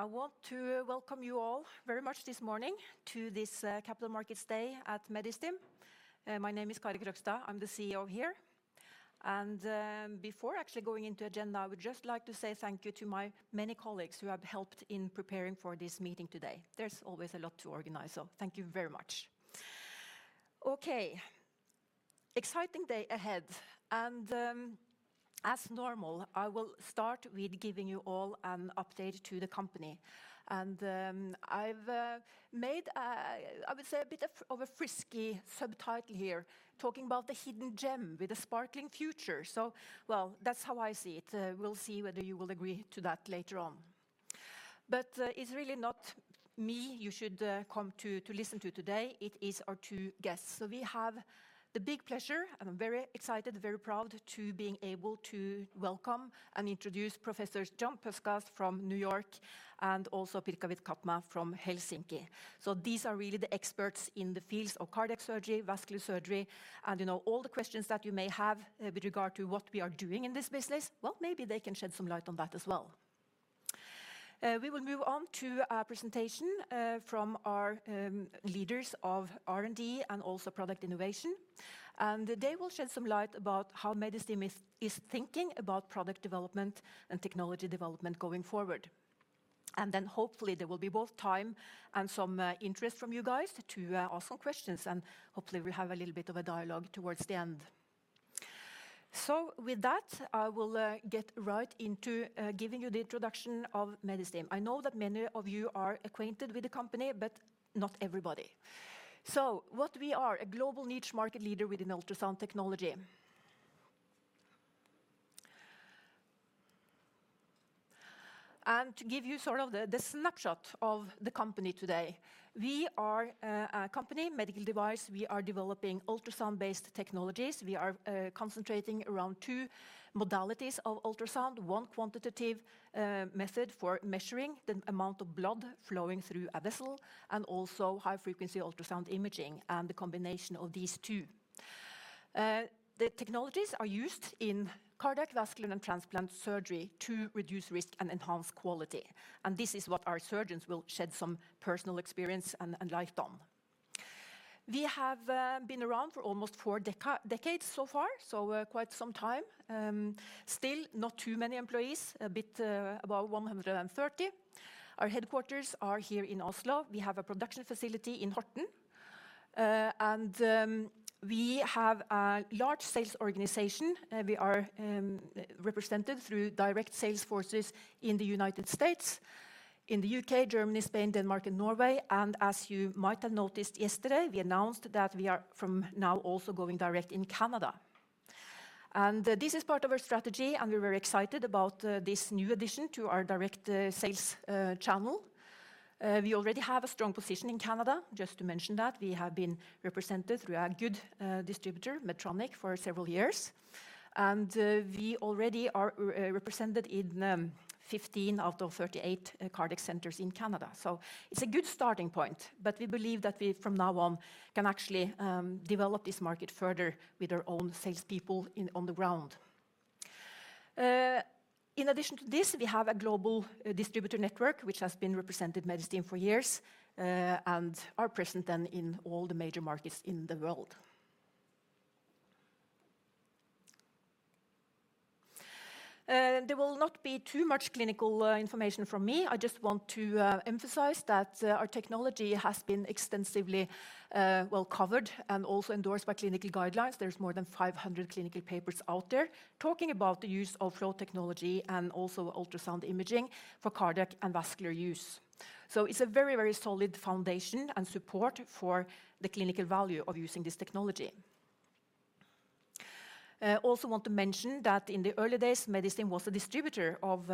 I want to welcome you all very much this morning to this Capital Markets Day at Medistim. My name is Kari Krogstad. I'm the CEO here. Before actually going into agenda, I would just like to say thank you to my many colleagues who have helped in preparing for this meeting today. There's always a lot to organize, so thank you very much. Okay. Exciting day ahead, and as normal, I will start with giving you all an update to the company. I've made I would say a bit of a frisky subtitle here, talking about the hidden gem with a sparkling future. Well, that's how I see it. We'll see whether you will agree to that later on. It's really not me you should come to listen to today, it is our two guests. We have the big pleasure, and I'm very excited, very proud to being able to welcome and introduce Professors John Puskas from New York and also Pirkka Vikatmaa from Helsinki. These are really the experts in the fields of cardiac surgery, vascular surgery, and, you know, all the questions that you may have with regard to what we are doing in this business, well, maybe they can shed some light on that as well. We will move on to a presentation from our leaders of R&D and also product innovation. They will shed some light about how Medistim is thinking about product development and technology development going forward. Hopefully there will be both time and some interest from you guys to ask some questions and hopefully we'll have a little bit of a dialogue towards the end. With that, I will get right into giving you the introduction of Medistim. I know that many of you are acquainted with the company, but not everybody. What we are, a global niche market leader within ultrasound technology. To give you sort of the snapshot of the company today, we are a company medical device. We are developing ultrasound-based technologies. We are concentrating around two modalities of ultrasound, one quantitative method for measuring the amount of blood flowing through a vessel, and also high-frequency ultrasound imaging and the combination of these two. The technologies are used in cardiac, vascular, and transplant surgery to reduce risk and enhance quality, and this is what our surgeons will shed some personal experience and light on. We have been around for almost 4 decades so far, so quite some time. Still not too many employees, a bit above 130. Our headquarters are here in Oslo. We have a production facility in Horten. We have a large sales organization. We are represented through direct sales forces in the United States, in the U.K., Germany, Spain, Denmark, and Norway. As you might have noticed yesterday, we announced that we are from now also going direct in Canada. This is part of our strategy, and we're very excited about this new addition to our direct sales channel. We already have a strong position in Canada, just to mention that. We have been represented through a good distributor, Medtronic, for several years. We already are re-represented in 15 out of 38 cardiac centers in Canada, so it's a good starting point. We believe that we from now on can actually develop this market further with our own salespeople on the ground. In addition to this, we have a global distributor network which has been represented Medistim for years and are present then in all the major markets in the world. There will not be too much clinical information from me. I just want to emphasize that our technology has been extensively well-covered and also endorsed by clinical guidelines. There's more than 500 clinical papers out there talking about the use of flow technology and also ultrasound imaging for cardiac and vascular use. It's a very, very solid foundation and support for the clinical value of using this technology. Also want to mention that in the early days, Medistim was a distributor of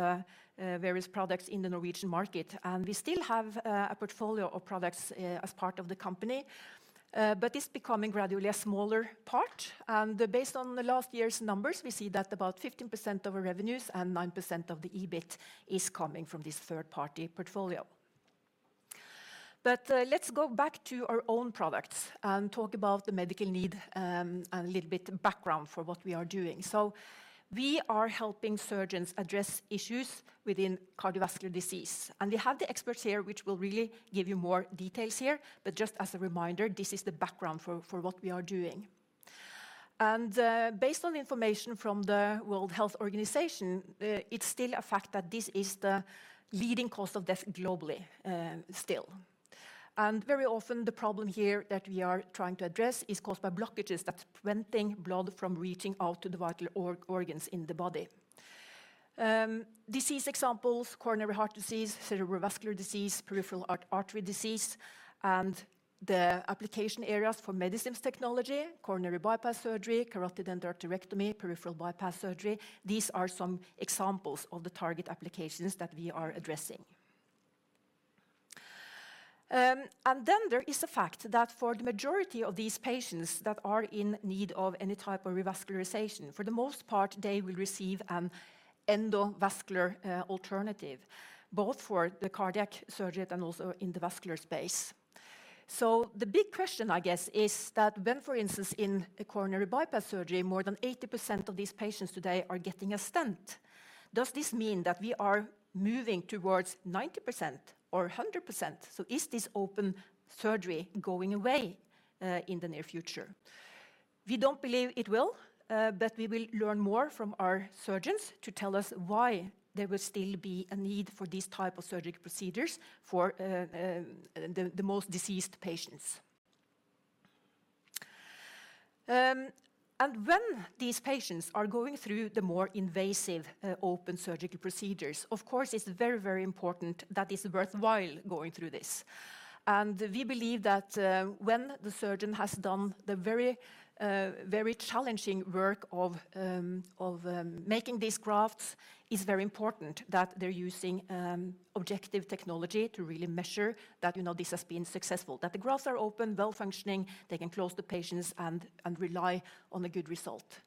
various products in the Norwegian market, and we still have a portfolio of products as part of the company. It's becoming gradually a smaller part. Based on the last year's numbers, we see that about 15% of our revenues and 9% of the EBIT is coming from this third-party portfolio. Let's go back to our own products and talk about the medical need and a little bit background for what we are doing. We are helping surgeons address issues within cardiovascular disease, and we have the experts here which will really give you more details here, but just as a reminder, this is the background for what we are doing. Based on information from the World Health Organization, it's still a fact that this is the leading cause of death globally, still. Very often the problem here that we are trying to address is caused by blockages that's preventing blood from reaching out to the vital organs in the body. Disease examples, coronary heart disease, cerebrovascular disease, peripheral artery disease, and the application areas for Medistim's technology, coronary bypass surgery, carotid endarterectomy, peripheral bypass surgery. These are some examples of the target applications that we are addressing. There is the fact that for the majority of these patients that are in need of any type of revascularization, for the most part, they will receive an endovascular alternative, both for the cardiac surgery and also in the vascular space. The big question, I guess, is that when, for instance, in a coronary bypass surgery, more than 80% of these patients today are getting a stent? Does this mean that we are moving towards 90% or 100%? Is this open surgery going away in the near future? We don't believe it will, but we will learn more from our surgeons to tell us why there will still be a need for these type of surgical procedures for the most diseased patients. When these patients are going through the more invasive, open surgical procedures, of course, it's very, very important that it's worthwhile going through this. We believe that, when the surgeon has done the very, very challenging work of making these grafts, it's very important that they're using objective technology to really measure that, you know, this has been successful, that the grafts are open, well-functioning, they can close the patients and rely on a good result.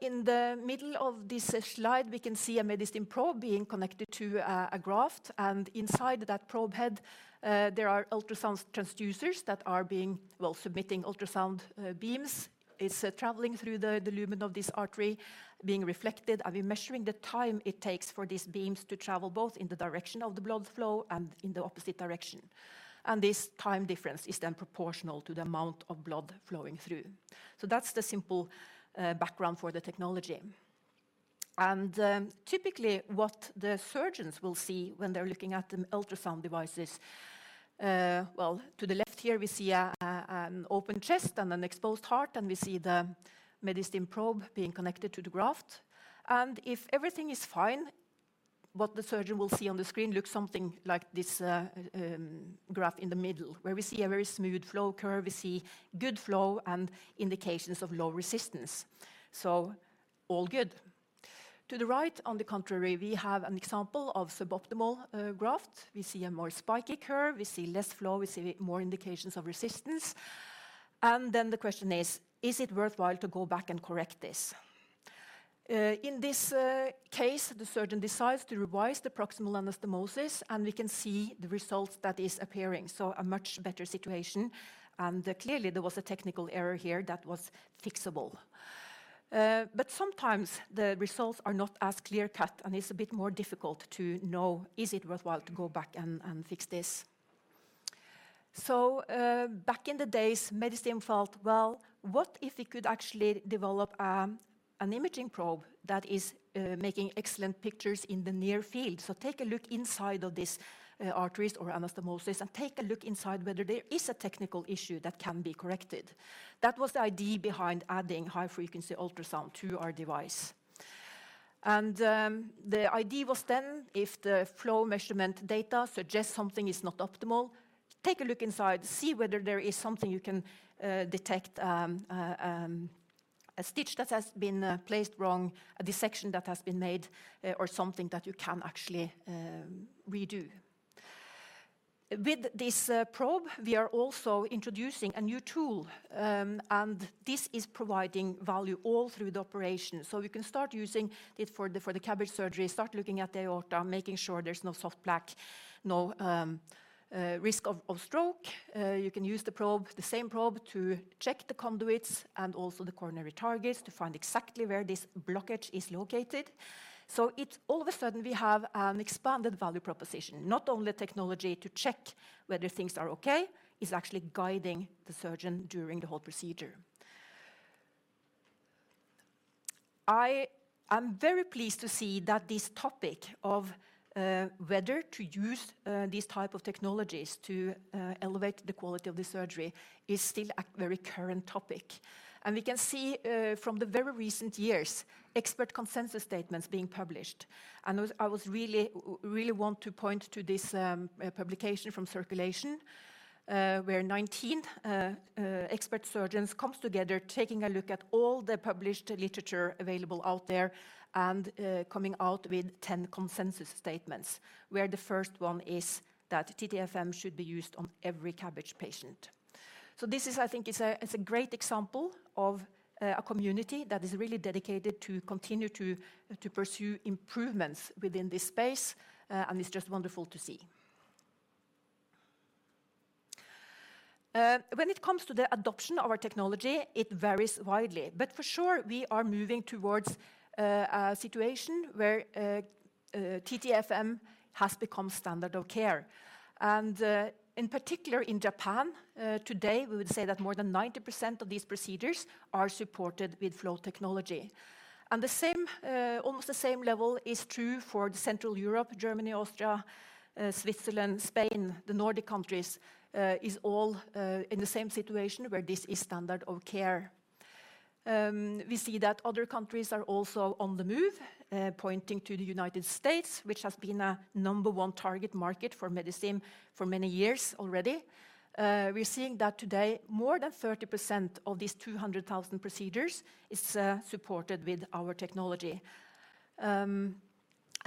In the middle of this slide, we can see a Medistim probe being connected to a graft, and inside that probe head, there are ultrasound transducers that are being well, submitting ultrasound beams. It's traveling through the lumen of this artery being reflected, and we're measuring the time it takes for these beams to travel both in the direction of the blood flow and in the opposite direction. This time difference is then proportional to the amount of blood flowing through. That's the simple background for the technology. Typically what the surgeons will see when they're looking at the ultrasound devices, well, to the left here we see an open chest and an exposed heart, and we see the Medistim probe being connected to the graft. If everything is fine, what the surgeon will see on the screen looks something like this graph in the middle, where we see a very smooth flow curve, we see good flow and indications of low resistance. All good. To the right, on the contrary, we have an example of suboptimal graft. We see a more spiky curve, we see less flow, we see more indications of resistance. Then the question is it worthwhile to go back and correct this? In this case, the surgeon decides to revise the proximal anastomosis, and we can see the result that is appearing, so a much better situation. Clearly there was a technical error here that was fixable. But sometimes the results are not as clear-cut, and it's a bit more difficult to know, is it worthwhile to go back and fix this? Back in the days, Medistim felt, well, what if we could actually develop an imaging probe that is making excellent pictures in the near field? Take a look inside of this, arteries or anastomosis and take a look inside whether there is a technical issue that can be corrected. That was the idea behind adding high-frequency ultrasound to our device. The idea was then if the flow measurement data suggests something is not optimal, take a look inside, see whether there is something you can detect, a stitch that has been placed wrong, a dissection that has been made, or something that you can actually redo. With this probe, we are also introducing a new tool, this is providing value all through the operation. We can start using it for the CABG surgery, start looking at the aorta, making sure there's no soft plaque, no risk of stroke. You can use the probe, the same probe to check the conduits and also the coronary targets to find exactly where this blockage is located. All of a sudden we have an expanded value proposition, not only technology to check whether things are okay, it's actually guiding the surgeon during the whole procedure. I am very pleased to see that this topic of whether to use these type of technologies to elevate the quality of the surgery is still a very current topic. We can see from the very recent years, expert consensus statements being published. I was really want to point to this publication from Circulation, where 19 expert surgeons comes together taking a look at all the published literature available out there and coming out with 10 consensus statements, where the first one is that TTFM should be used on every CABG patient. I think it's a great example of a community that is really dedicated to continue to pursue improvements within this space, it's just wonderful to see. When it comes to the adoption of our technology, it varies widely. For sure, we are moving towards a situation where TTFM has become standard of care. In particular in Japan, today, we would say that more than 90% of these procedures are supported with flow technology. The same, almost the same level is true for Central Europe, Germany, Austria, Switzerland, Spain, the Nordic countries, is all in the same situation where this is standard of care. We see that other countries are also on the move, pointing to the United States, which has been a number one target market for Medistim for many years already. We're seeing that today more than 30% of these 200,000 procedures is supported with our technology.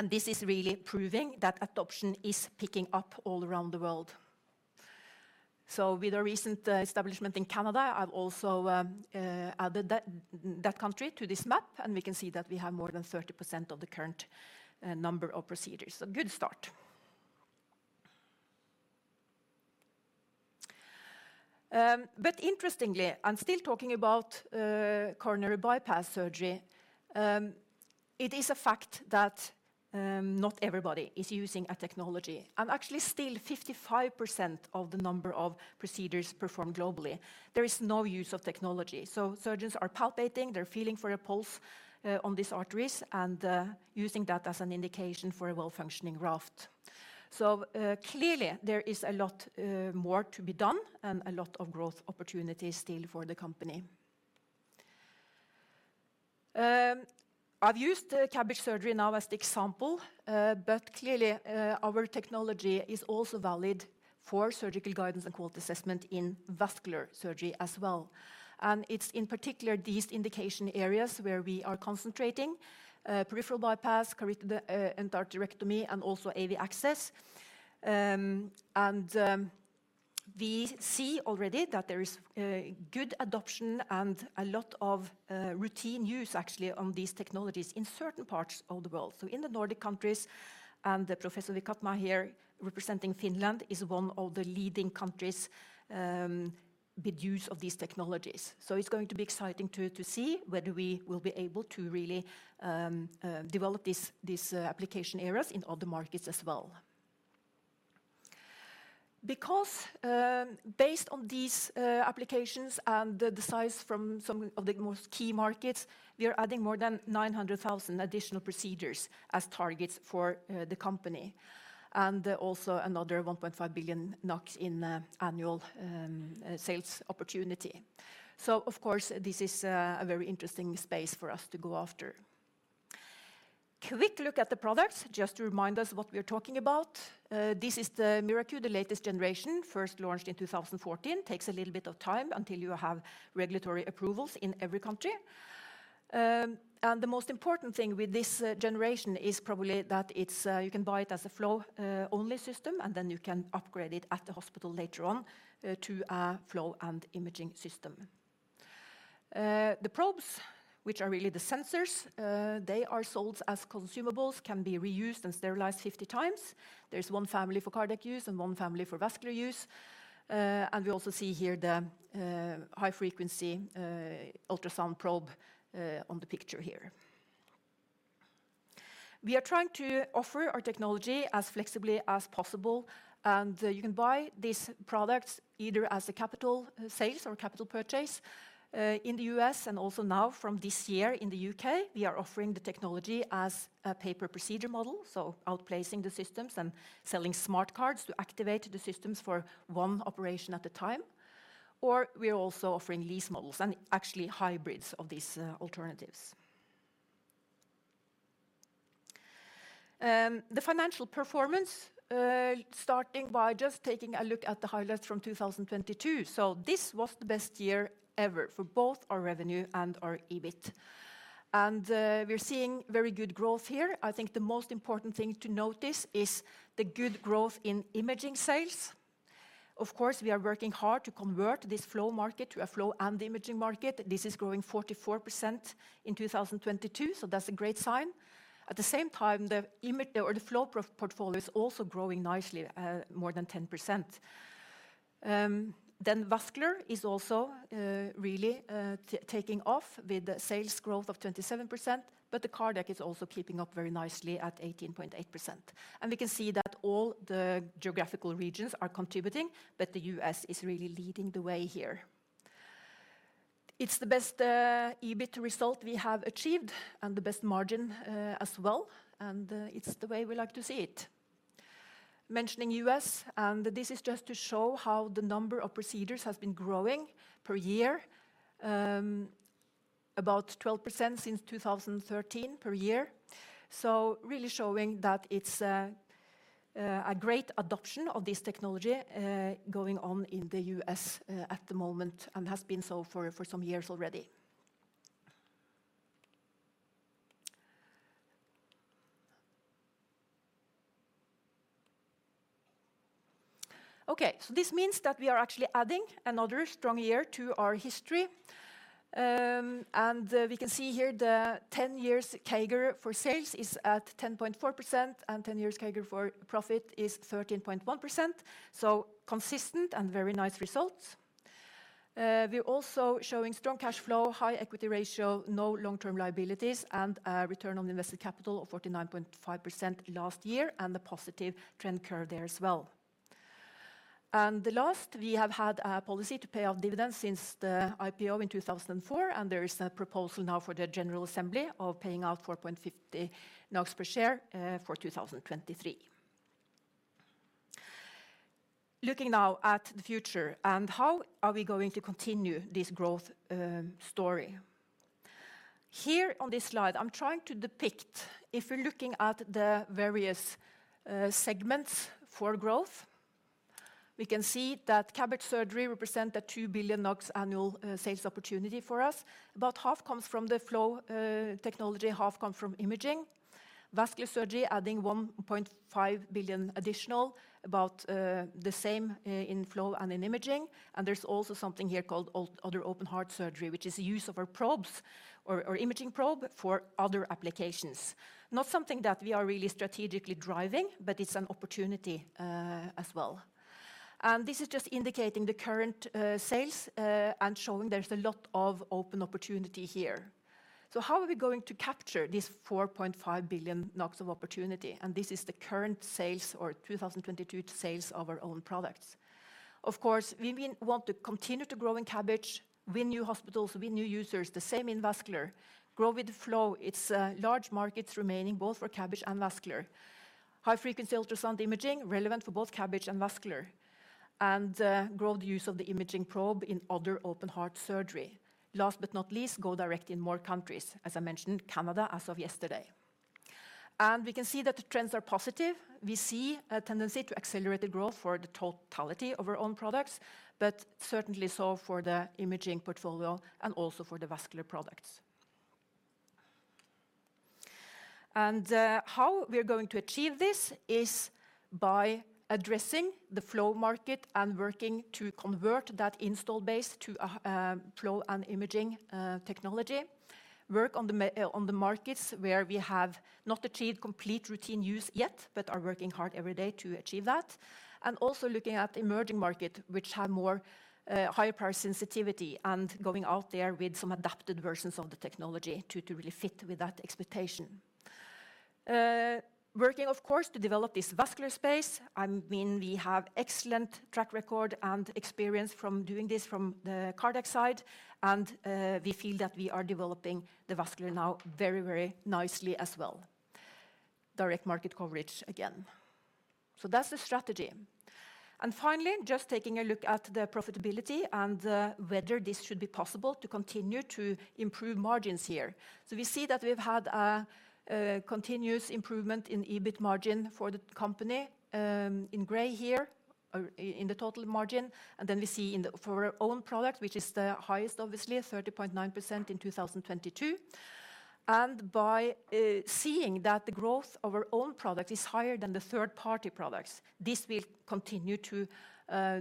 This is really proving that adoption is picking up all around the world. With the recent establishment in Canada, I've also added that country to this map, and we can see that we have more than 30% of the current number of procedures. Good start. Interestingly, I'm still talking about coronary bypass surgery. It is a fact that not everybody is using our technology. Actually still 55% of the number of procedures performed globally, there is no use of technology. Surgeons are palpating, they're feeling for a pulse on these arteries and using that as an indication for a well-functioning graft. Clearly there is a lot more to be done and a lot of growth opportunities still for the company. I've used the CABG surgery now as the example, but clearly our technology is also valid for surgical guidance and quality assessment in vascular surgery as well. It's in particular these indication areas where we are concentrating, peripheral bypass, carotid endarterectomy, and also AV access. We see already that there is good adoption and a lot of routine use actually on these technologies in certain parts of the world. In the Nordic countries, and Professor Vikatmaa here representing Finland, is one of the leading countries, with use of these technologies. It's going to be exciting to see whether we will be able to really develop these application areas in other markets as well. Because based on these applications and the size from some of the most key markets, we are adding more than 900,000 additional procedures as targets for the company, and also another 1.5 billion NOK in annual sales opportunity. Of course, this is a very interesting space for us to go after. Quick look at the products, just to remind us what we're talking about. This is the MiraQ, the latest generation, first launched in 2014. Takes a little bit of time until you have regulatory approvals in every country. The most important thing with this generation is probably that it's, you can buy it as a flow only system, and then you can upgrade it at the hospital later on, to a flow and imaging system. The probes, which are really the sensors, they are sold as consumables, can be reused and sterilized 50 times. There's one family for cardiac use and one family for vascular use. We also see here the high frequency ultrasound probe on the picture here. We are trying to offer our technology as flexibly as possible, and you can buy these products either as a capital sales or capital purchase in the U.S. and also now from this year in the U.K., we are offering the technology as a pay per procedure model, so outplacing the systems and selling smart cards to activate the systems for one operation at a time. We are also offering lease models and actually hybrids of these alternatives. The financial performance starting by just taking a look at the highlights from 2022. This was the best year ever for both our revenue and our EBIT. We're seeing very good growth here. I think the most important thing to notice is the good growth in imaging sales. Of course, we are working hard to convert this flow market to a flow and imaging market. This is growing 44% in 2022, that's a great sign. At the same time, the flow portfolio is also growing nicely at more than 10%. Vascular is also really taking off with sales growth of 27%, the cardiac is also keeping up very nicely at 18.8%. We can see that all the geographical regions are contributing, the U.S. is really leading the way here. It's the best EBIT result we have achieved and the best margin as well, it's the way we like to see it. Mentioning U.S., this is just to show how the number of procedures has been growing per year, about 12% since 2013 per year. Really showing that it's a great adoption of this technology going on in the U.S. at the moment, and has been so for some years already. This means that we are actually adding another strong year to our history. We can see here the 10 years CAGR for sales is at 10.4%, and 10 years CAGR for profit is 13.1%. Consistent and very nice results. We're also showing strong cash flow, high equity ratio, no long-term liabilities, and a return on invested capital of 49.5% last year, and a positive trend curve there as well. The last, we have had a policy to pay out dividends since the IPO in 2004. There is a proposal now for the general assembly of paying out 4.50 NOK per share for 2023. Looking now at the future and how are we going to continue this growth story. Here on this slide, I'm trying to depict if we're looking at the various segments for growth. We can see that CABG surgery represent a 2 billion NOK annual sales opportunity for us. About half comes from the flow technology, half come from imaging. Vascular surgery adding 1.5 billion additional, about the same in flow and in imaging. There's also something here called other open heart surgery, which is the use of our probes or our imaging probe for other applications. Not something that we are really strategically driving, but it's an opportunity, as well. This is just indicating the current sales and showing there's a lot of open opportunity here. How are we going to capture this 4.5 billion NOK of opportunity? This is the current sales or 2022 sales of our own products. Of course, we want to continue to grow in CABG, win new hospitals, win new users. The same in vascular. Grow with the flow. It's large markets remaining both for CABG and vascular. High-frequency ultrasound imaging relevant for both CABG and vascular. And grow the use of the imaging probe in other open heart surgery. Last but not least, go direct in more countries. As I mentioned, Canada as of yesterday. We can see that the trends are positive. We see a tendency to accelerate the growth for the totality of our own products, but certainly so for the imaging portfolio and also for the vascular products. How we are going to achieve this is by addressing the flow market and working to convert that install base to a flow and imaging technology. Work on the markets where we have not achieved complete routine use yet but are working hard every day to achieve that. Also looking at emerging market which have more higher price sensitivity, and going out there with some adapted versions of the technology to really fit with that expectation. Working of course to develop this vascular space. I mean, we have excellent track record and experience from doing this from the cardiac side, and we feel that we are developing the vascular now very, very nicely as well. Direct market coverage again. That's the strategy. Finally, just taking a look at the profitability and whether this should be possible to continue to improve margins here. We see that we've had a continuous improvement in EBIT margin for the company, in gray here, in the total margin. We see for our own product, which is the highest obviously, 30.9% in 2022. By seeing that the growth of our own product is higher than the third-party products, this will continue to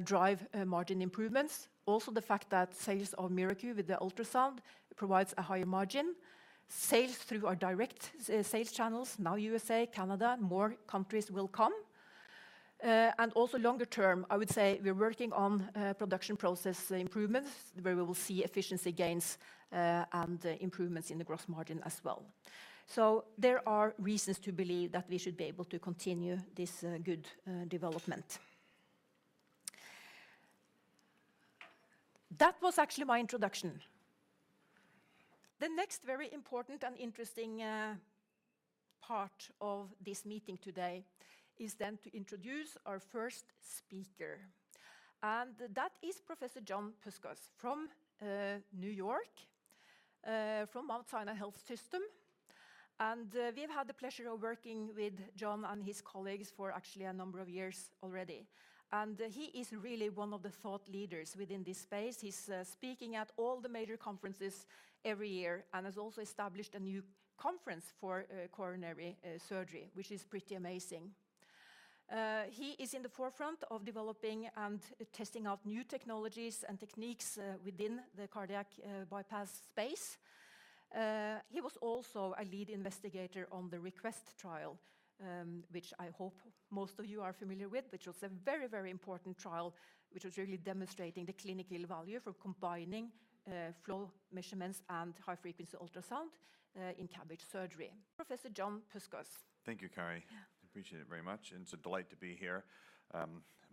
drive margin improvements. Also, the fact that sales of MiraQ with the ultrasound provides a higher margin. Sales through our direct sales channels, now USA, Canada, more countries will come. Also longer term, I would say we are working on production process improvements where we will see efficiency gains and improvements in the gross margin as well. There are reasons to believe that we should be able to continue this good development. That was actually my introduction. The next very important and interesting part of this meeting today is to introduce our first speaker, and that is Professor John Puskas from New York, from Mount Sinai Health System. We've had the pleasure of working with John and his colleagues for actually a number of years already, and he is really one of the thought leaders within this space. He's speaking at all the major conferences every year and has also established a new conference for coronary surgery, which is pretty amazing. He is in the forefront of developing and testing out new technologies and techniques within the cardiac bypass space. He was also a lead investigator on the REQUEST trial, which I hope most of you are familiar with, which was a very, very important trial, which was really demonstrating the clinical value for combining flow measurements and high-frequency ultrasound in CABG surgery. Professor John Puskas. Thank you, Kari. Yeah. I appreciate it very much. It's a delight to be here.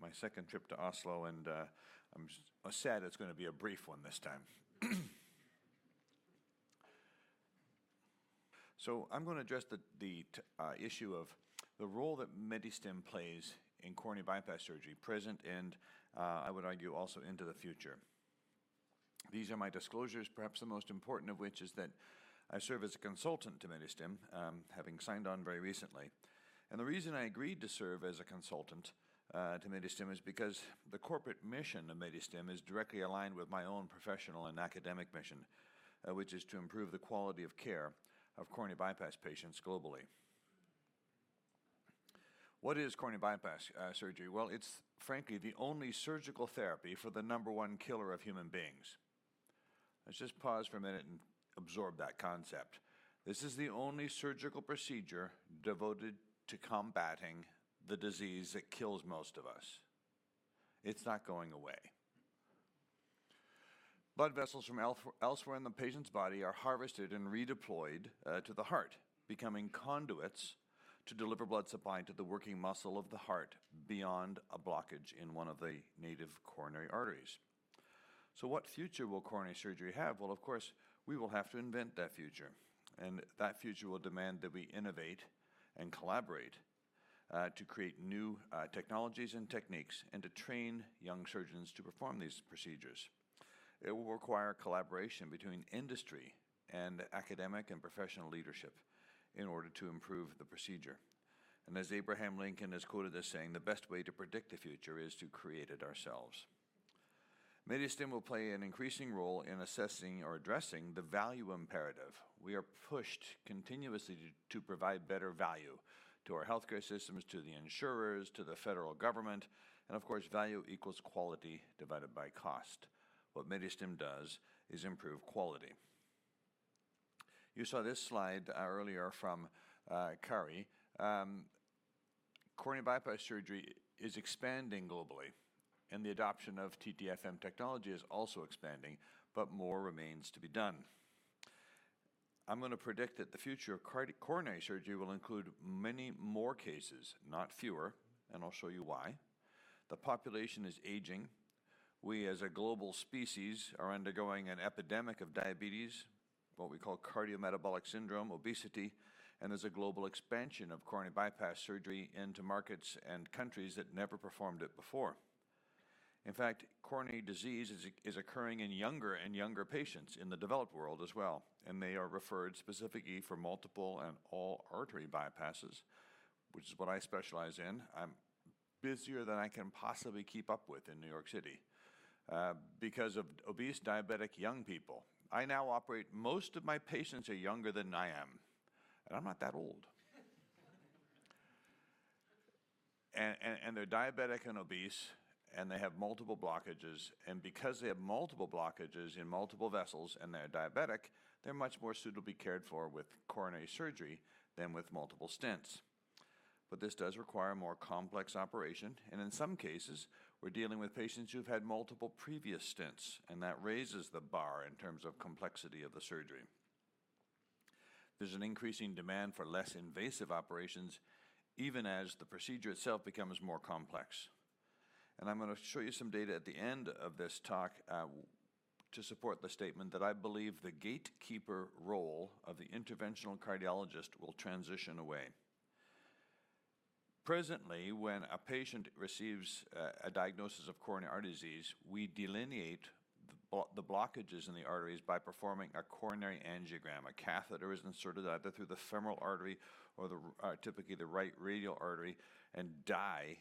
My second trip to Oslo. I'm sad it's gonna be a brief one this time. I'm gonna address the issue of the role that Medistim plays in coronary bypass surgery present. I would argue also into the future. These are my disclosures, perhaps the most important of which is that I serve as a consultant to Medistim, having signed on very recently. The reason I agreed to serve as a consultant to Medistim is because the corporate mission of Medistim is directly aligned with my own professional and academic mission, which is to improve the quality of care of coronary bypass patients globally. What is coronary bypass surgery? Well, it's frankly the only surgical therapy for the number 1 killer of human beings. Let's just pause for a minute and absorb that concept. This is the only surgical procedure devoted to combating the disease that kills most of us. It's not going away. Blood vessels from elsewhere in the patient's body are harvested and redeployed to the heart, becoming conduits to deliver blood supply to the working muscle of the heart beyond a blockage in one of the native coronary arteries. What future will coronary surgery have? Of course, we will have to invent that future, and that future will demand that we innovate and collaborate to create new technologies and techniques and to train young surgeons to perform these procedures. It will require collaboration between industry and academic and professional leadership in order to improve the procedure. As Abraham Lincoln is quoted as saying, "The best way to predict the future is to create it ourselves." Medistim will play an increasing role in assessing or addressing the value imperative. We are pushed continuously to provide better value to our healthcare systems, to the insurers, to the federal government, and of course, value equals quality divided by cost. What Medistim does is improve quality. You saw this slide earlier from Kari. Coronary bypass surgery is expanding globally, and the adoption of TTFM technology is also expanding, but more remains to be done. I'm gonna predict that the future of coronary surgery will include many more cases, not fewer, and I'll show you why. The population is aging. We, as a global species, are undergoing an epidemic of diabetes, what we call cardiometabolic syndrome, obesity, and there's a global expansion of coronary bypass surgery into markets and countries that never performed it before. In fact, coronary disease is occurring in younger and younger patients in the developed world as well, and they are referred specifically for multiple and all artery bypasses, which is what I specialize in. I'm busier than I can possibly keep up with in New York City because of obese, diabetic young people. I now operate. Most of my patients are younger than I am, and I'm not that old. They're diabetic and obese, and they have multiple blockages, and because they have multiple blockages in multiple vessels, and they're diabetic, they're much more suitably cared for with coronary surgery than with multiple stents. This does require a more complex operation, and in some cases, we're dealing with patients who've had multiple previous stents, and that raises the bar in terms of complexity of the surgery. There's an increasing demand for less invasive operations, even as the procedure itself becomes more complex. I'm gonna show you some data at the end of this talk to support the statement that I believe the gatekeeper role of the interventional cardiologist will transition away. Presently, when a patient receives a diagnosis of coronary artery disease, we delineate the blockages in the arteries by performing a coronary angiogram. A catheter is inserted either through the femoral artery or typically the right radial artery, and dye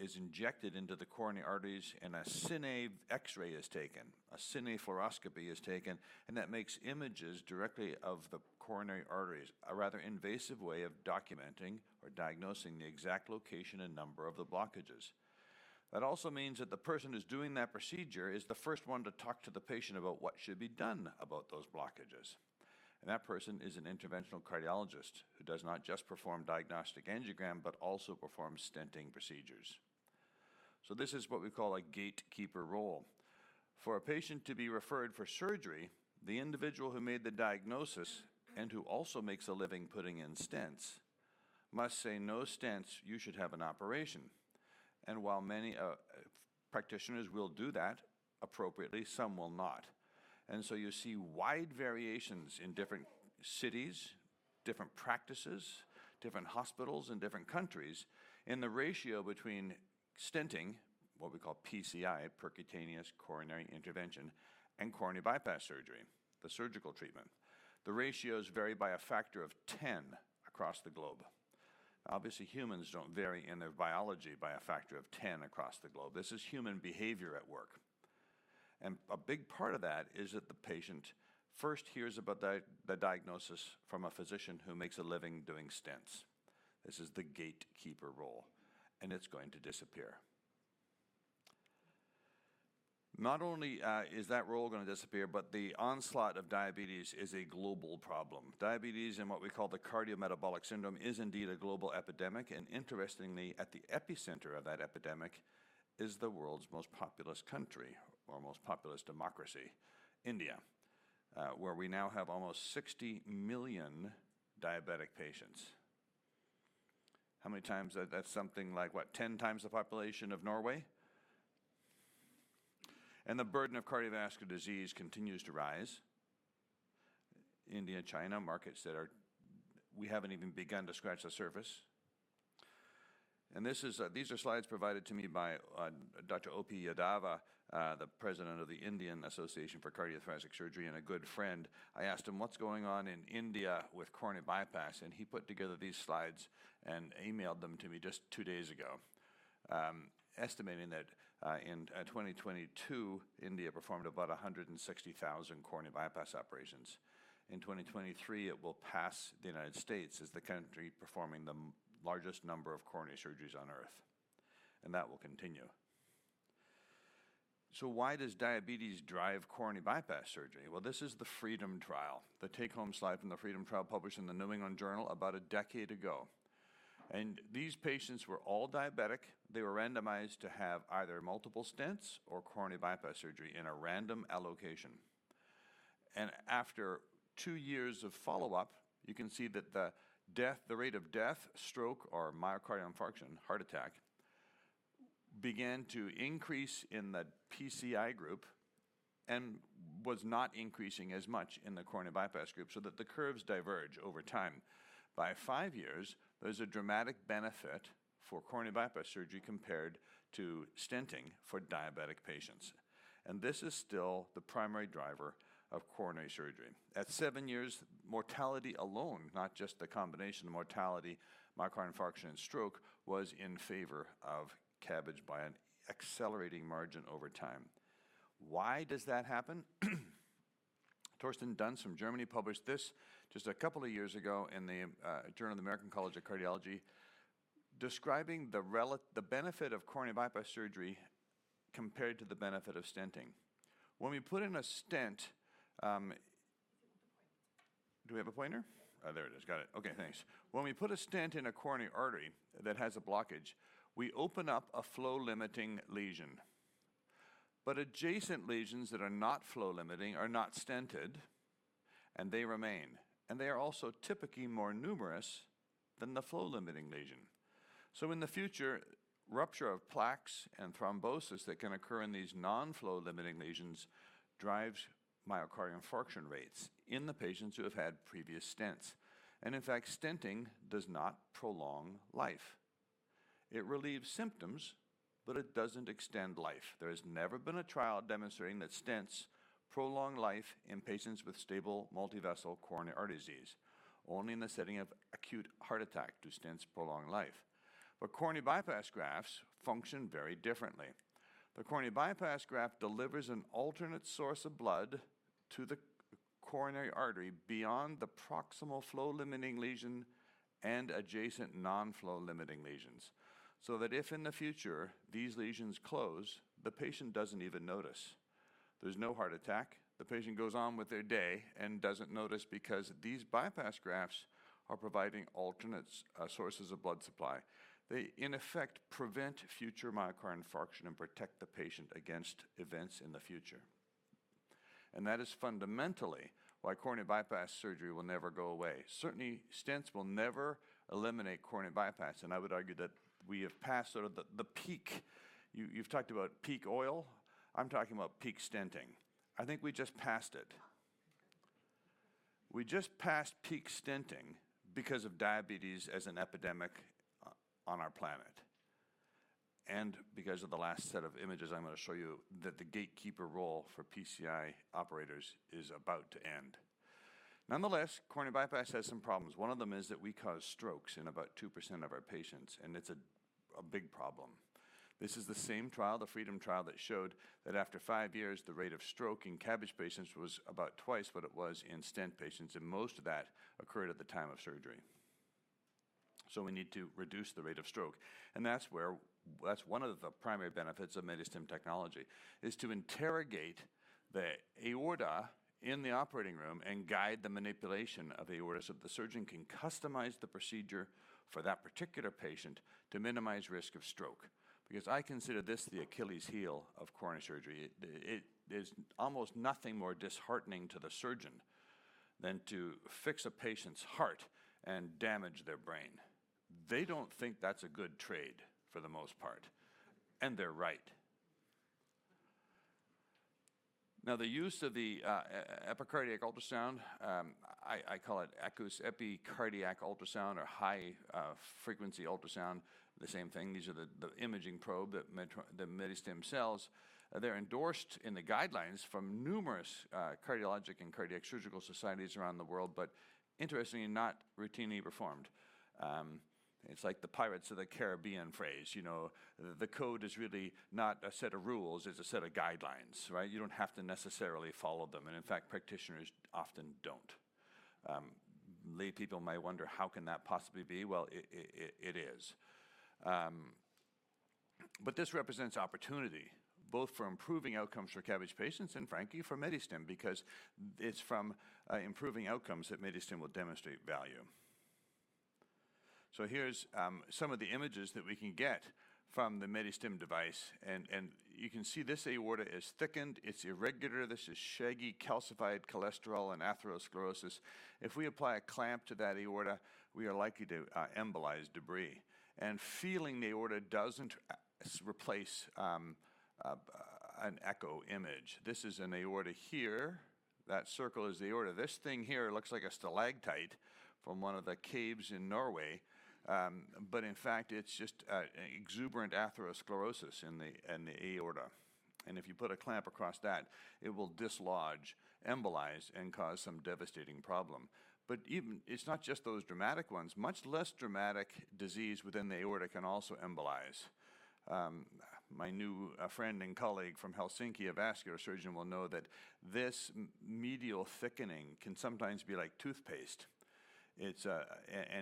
is injected into the coronary arteries, and a cine X-ray is taken. A cine fluoroscopy is taken, and that makes images directly of the coronary arteries, a rather invasive way of documenting or diagnosing the exact location and number of the blockages. That also means that the person who's doing that procedure is the first one to talk to the patient about what should be done about those blockages, and that person is an interventional cardiologist who does not just perform diagnostic angiogram but also performs stenting procedures. This is what we call a gatekeeper role. For a patient to be referred for surgery, the individual who made the diagnosis and who also makes a living putting in stents must say, "No stents. You should have an operation." While many practitioners will do that appropriately, some will not. You see wide variations in different cities, different practices, different hospitals, and different countries in the ratio between stenting, what we call PCI, percutaneous coronary intervention, and coronary bypass surgery, the surgical treatment. The ratios vary by a factor of 10 across the globe. Obviously, humans don't vary in their biology by a factor of 10 across the globe. This is human behavior at work, and a big part of that is that the patient first hears about the diagnosis from a physician who makes a living doing stents. This is the gatekeeper role, and it's going to disappear. Not only is that role gonna disappear, but the onslaught of diabetes is a global problem. Diabetes and what we call the cardiometabolic syndrome is indeed a global epidemic, and interestingly, at the epicenter of that epidemic is the world's most populous country or most populous democracy, India, where we now have almost 60 million diabetic patients. That's something like, what, 10 times the population of Norway? The burden of cardiovascular disease continues to rise. India and China, markets that are We haven't even begun to scratch the surface. These are slides provided to me by Dr. O.P. Yadava, the President of the Indian Association for Cardiothoracic Surgery and a good friend. I asked him, "What's going on in India with coronary bypass?" He put together these slides and emailed them to me just two days ago, estimating that in 2022, India performed about 160,000 coronary bypass operations. In 2023, it will pass the United States as the country performing the largest number of coronary surgeries on Earth. That will continue. Why does diabetes drive coronary bypass surgery? Well, this is the FREEDOM trial, the take-home slide from the FREEDOM trial published in the New England Journal about a decade ago. These patients were all diabetic. They were randomized to have either multiple stents or coronary bypass surgery in a random allocation. After 2 years of follow-up, you can see that the rate of death, stroke, or myocardial infarction, heart attack, began to increase in the PCI group and was not increasing as much in the coronary bypass group that the curves diverge over time. By five years, there's a dramatic benefit for coronary bypass surgery compared to stenting for diabetic patients, and this is still the primary driver of coronary surgery. At seven years, mortality alone, not just the combination, the mortality, myocardial infarction, and stroke was in favor of CABG by an accelerating margin over time. Why does that happen? Torsten Doenst from Germany published this just a couple of years ago in the Journal of the American College of Cardiology, describing the benefit of coronary bypass surgery compared to the benefit of stenting. When we put in a stent. Get the pointer. Do we have a pointer? Yeah. Oh, there it is. Got it. Yeah. Okay, thanks. When we put a stent in a coronary artery that has a blockage, we open up a flow-limiting lesion, but adjacent lesions that are not flow limiting are not stented and they remain, and they are also typically more numerous than the flow-limiting lesion. In the future, rupture of plaques and thrombosis that can occur in these non-flow-limiting lesions drives myocardial infarction rates in the patients who have had previous stents. In fact, stenting does not prolong life. It relieves symptoms, but it doesn't extend life. There has never been a trial demonstrating that stents prolong life in patients with stable multi-vessel coronary artery disease. Only in the setting of acute heart attack do stents prolong life. Coronary bypass grafts function very differently. The coronary bypass graft delivers an alternate source of blood to the coronary artery beyond the proximal flow-limiting lesion and adjacent non-flow-limiting lesions so that if in the future these lesions close, the patient doesn't even notice. There's no heart attack. The patient goes on with their day and doesn't notice because these bypass grafts are providing alternate sources of blood supply. They, in effect, prevent future myocardial infarction and protect the patient against events in the future. That is fundamentally why coronary bypass surgery will never go away. Certainly, stents will never eliminate coronary bypass, and I would argue that we have passed sort of the peak. You've talked about peak oil. I'm talking about peak stenting. I think we just passed it. We just passed peak stenting because of diabetes as an epidemic on our planet and because of the last set of images I'm gonna show you that the gatekeeper role for PCI operators is about to end. Nonetheless, coronary bypass has some problems. One of them is that we cause strokes in about 2% of our patients, and it's a big problem. This is the same trial, the FREEDOM trial, that showed that after five years, the rate of stroke in CABG patients was about twice what it was in stent patients, and most of that occurred at the time of surgery. We need to reduce the rate of stroke, and that's one of the primary benefits of Medistim technology, is to interrogate the aorta in the operating room and guide the manipulation of the aorta so the surgeon can customize the procedure for that particular patient to minimize risk of stroke. Because I consider this the Achilles heel of coronary surgery. It. There's almost nothing more disheartening to the surgeon than to fix a patient's heart and damage their brain. They don't think that's a good trade for the most part, and they're right. Now, the use of the epicardial ultrasound, I call it epicardial ultrasound or high frequency ultrasound, the same thing. These are the imaging probe that Medistim sells. They're endorsed in the guidelines from numerous cardiologic and cardiac surgical societies around the world but interestingly not routinely performed. It's like the "Pirates of the Caribbean" phrase, you know. The code is really not a set of rules. It's a set of guidelines, right? You don't have to necessarily follow them, and in fact, practitioners often don't. Laypeople may wonder, how can that possibly be? Well, it is. This represents opportunity both for improving outcomes for CABG patients and frankly for Medistim because it's from improving outcomes that Medistim will demonstrate value. Here's some of the images that we can get from the Medistim device and you can see this aorta is thickened. It's irregular. This is shaggy calcified cholesterol and atherosclerosis. If we apply a clamp to that aorta, we are likely to embolize debris, feeling the aorta doesn't replace an echo image. This is an aorta here. That circle is the aorta. This thing here looks like a stalactite from one of the caves in Norway, in fact, it's just exuberant atherosclerosis in the aorta. If you put a clamp across that, it will dislodge, embolize, and cause some devastating problem. It's not just those dramatic ones. Much less dramatic disease within the aorta can also embolize. My new friend and colleague from Helsinki, a vascular surgeon, will know that this medial thickening can sometimes be like toothpaste. It's.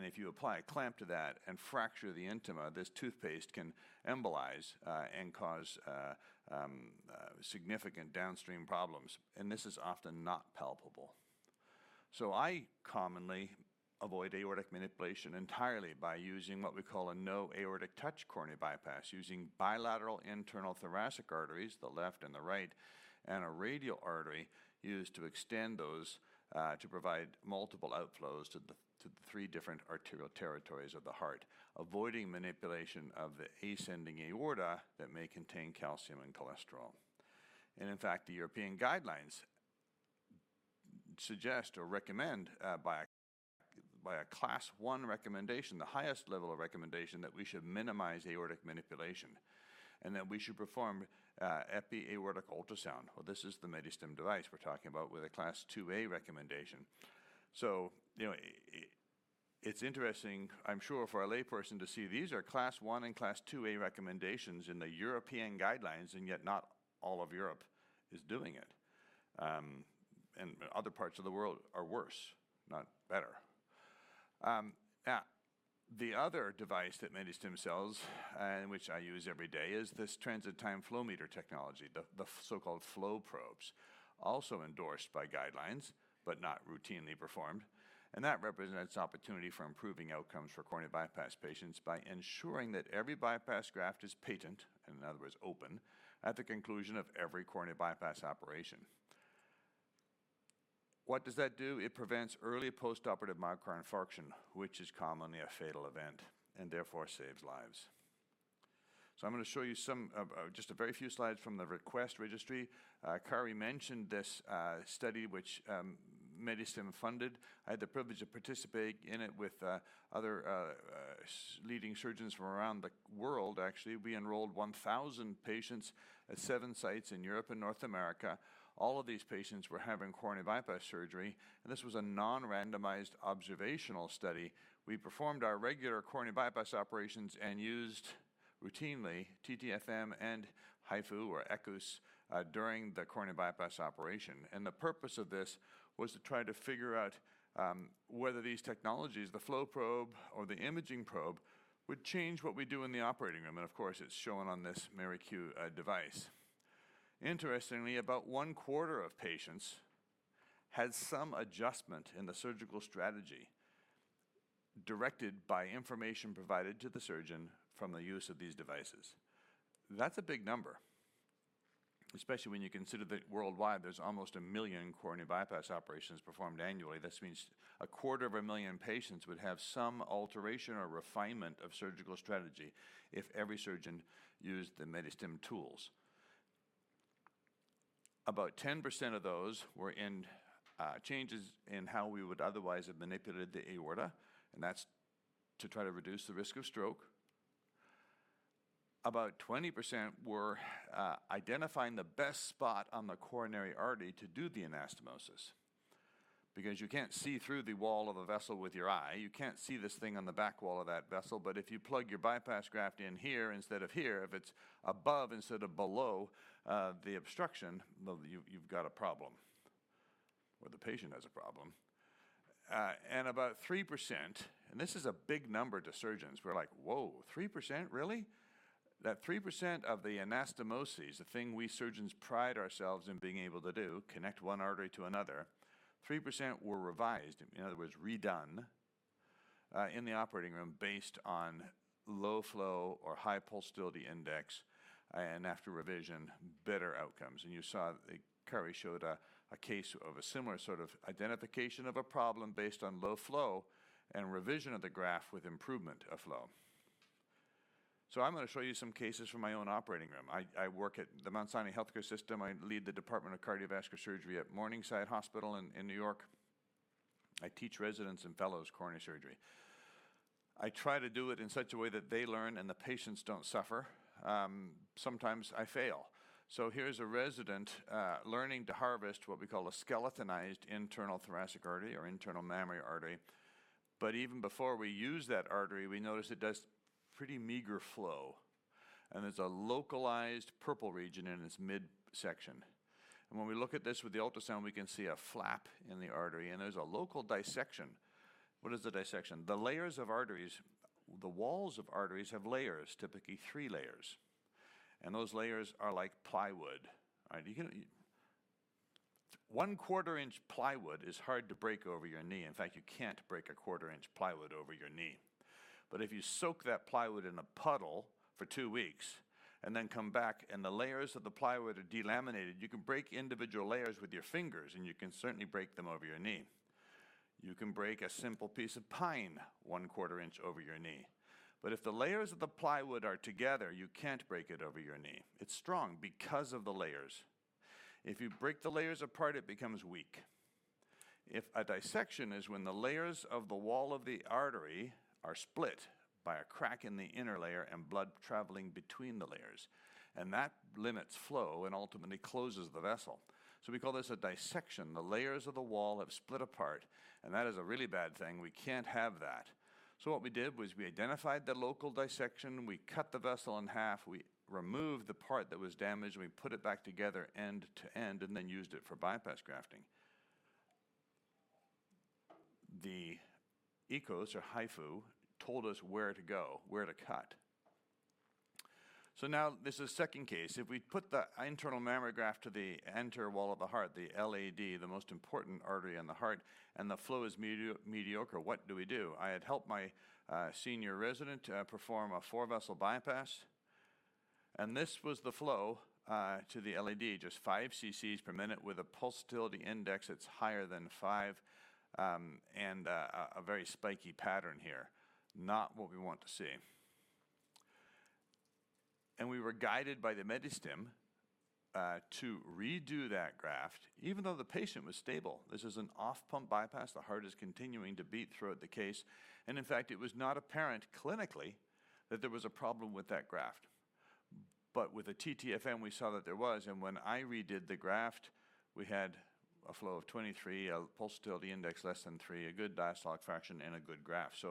If you apply a clamp to that and fracture the intima, this toothpaste can embolize and cause significant downstream problems, and this is often not palpable. I commonly avoid aortic manipulation entirely by using what we call a no aortic touch coronary bypass using bilateral internal thoracic arteries, the left and the right, and a radial artery used to extend those to provide multiple outflows to the three different arterial territories of the heart, avoiding manipulation of the ascending aorta that may contain calcium and cholesterol. In fact, the European guidelines suggest or recommend by a Class I recommendation, the highest level of recommendation, that we should minimize aortic manipulation and that we should perform epi-aortic ultrasound. Well, this is the Medistim device we're talking about with a Class IIa recommendation. You know, it's interesting, I'm sure, for a layperson to see these are Class I and Class IIa recommendations in the European guidelines, and yet not all of Europe is doing it. Other parts of the world are worse, not better. The other device that Medistim sells, and which I use every day, is this transit time flow meter technology, the so-called FlowProbes, also endorsed by guidelines but not routinely performed. That represents opportunity for improving outcomes for coronary bypass patients by ensuring that every bypass graft is patent, in other words, open, at the conclusion of every coronary bypass operation. What does that do? It prevents early postoperative myocardial infarction, which is commonly a fatal event, and therefore saves lives. I'm gonna show you some of just a very few slides from the REQUEST registry. Kari mentioned this study which Medistim funded. I had the privilege of participating in it with other leading surgeons from around the world actually. We enrolled 1,000 patients at 7 sites in Europe and North America. All of these patients were having coronary bypass surgery, and this was a non-randomized observational study. We performed our regular coronary bypass operations and used routinely TTFM and HFUS or Epiaortic US during the coronary bypass operation. The purpose of this was to try to figure out whether these technologies, the FlowProbe or the imaging probe, would change what we do in the operating room. Of course, it's shown on this MiraQ device. Interestingly, about one-quarter of patients had some adjustment in the surgical strategy directed by information provided to the surgeon from the use of these devices. That's a big number, especially when you consider that worldwide there's almost 1 million coronary bypass operations performed annually. This means a quarter of a million patients would have some alteration or refinement of surgical strategy if every surgeon used the Medistim tools. About 10% of those were in changes in how we would otherwise have manipulated the aorta, and that's to try to reduce the risk of stroke. About 20% were identifying the best spot on the coronary artery to do the anastomosis because you can't see through the wall of a vessel with your eye. You can't see this thing on the back wall of that vessel. If you plug your bypass graft in here instead of here, if it's above instead of below the obstruction, well, you've got a problem, or the patient has a problem. About 3%, and this is a big number to surgeons. We're like, "Whoa, 3%, really?" That 3% of the anastomoses, the thing we surgeons pride ourselves in being able to do, connect one artery to another, 3% were revised, in other words, redone in the operating room based on low flow or high pulsatility index, and after revision, better outcomes. You saw that Kari showed a case of a similar sort of identification of a problem based on low flow and revision of the graft with improvement of flow. I'm gonna show you some cases from my own operating room. I work at the Mount Sinai Health System. I lead the Department of Cardiovascular Surgery at Mount Sinai Morningside in New York. I teach residents and fellows coronary surgery. I try to do it in such a way that they learn and the patients don't suffer. Sometimes I fail. Here's a resident learning to harvest what we call a skeletonized internal thoracic artery or internal mammary artery, but even before we use that artery, we notice it does pretty meager flow, and there's a localized purple region in its midsection. When we look at this with the ultrasound, we can see a flap in the artery, and there's a local dissection. What is the dissection? The walls of arteries have layers, typically three layers, and those layers are like plywood. All right. One-quarter-inch plywood is hard to break over your knee. In fact, you can't break a quarter-inch plywood over your knee. If you soak that plywood in a puddle for 2 weeks and then come back and the layers of the plywood are delaminated, you can break individual layers with your fingers, and you can certainly break them over your knee. You can break a simple piece of pine one quarter-inch over your knee. If the layers of the plywood are together, you can't break it over your knee. It's strong because of the layers. If you break the layers apart, it becomes weak. If a dissection is when the layers of the wall of the artery are split by a crack in the inner layer and blood traveling between the layers, and that limits flow and ultimately closes the vessel. We call this a dissection. The layers of the wall have split apart, and that is a really bad thing. We can't have that. What we did was we identified the local dissection. We cut the vessel in half. We removed the part that was damaged, and we put it back together end to end and then used it for bypass grafting. The echo or HFUS told us where to go, where to cut. Now this is second case. If we put the internal mammograph to the anterior wall of the heart, the LAD, the most important artery in the heart, and the flow is mediocre, what do we do? I had helped my senior resident perform a four-vessel bypass, and this was the flow to the LAD, just 5 cc's per minute with a pulsatility index that's higher than 5, and a very spiky pattern here. Not what we want to see. We were guided by the Medistim to redo that graft even though the patient was stable. This is an off-pump bypass. The heart is continuing to beat throughout the case, and in fact, it was not apparent clinically that there was a problem with that graft. With the TTFM, we saw that there was, and when I redid the graft, we had a flow of 23, a pulsatility index less than 3, a good diastolic fraction and a good graft.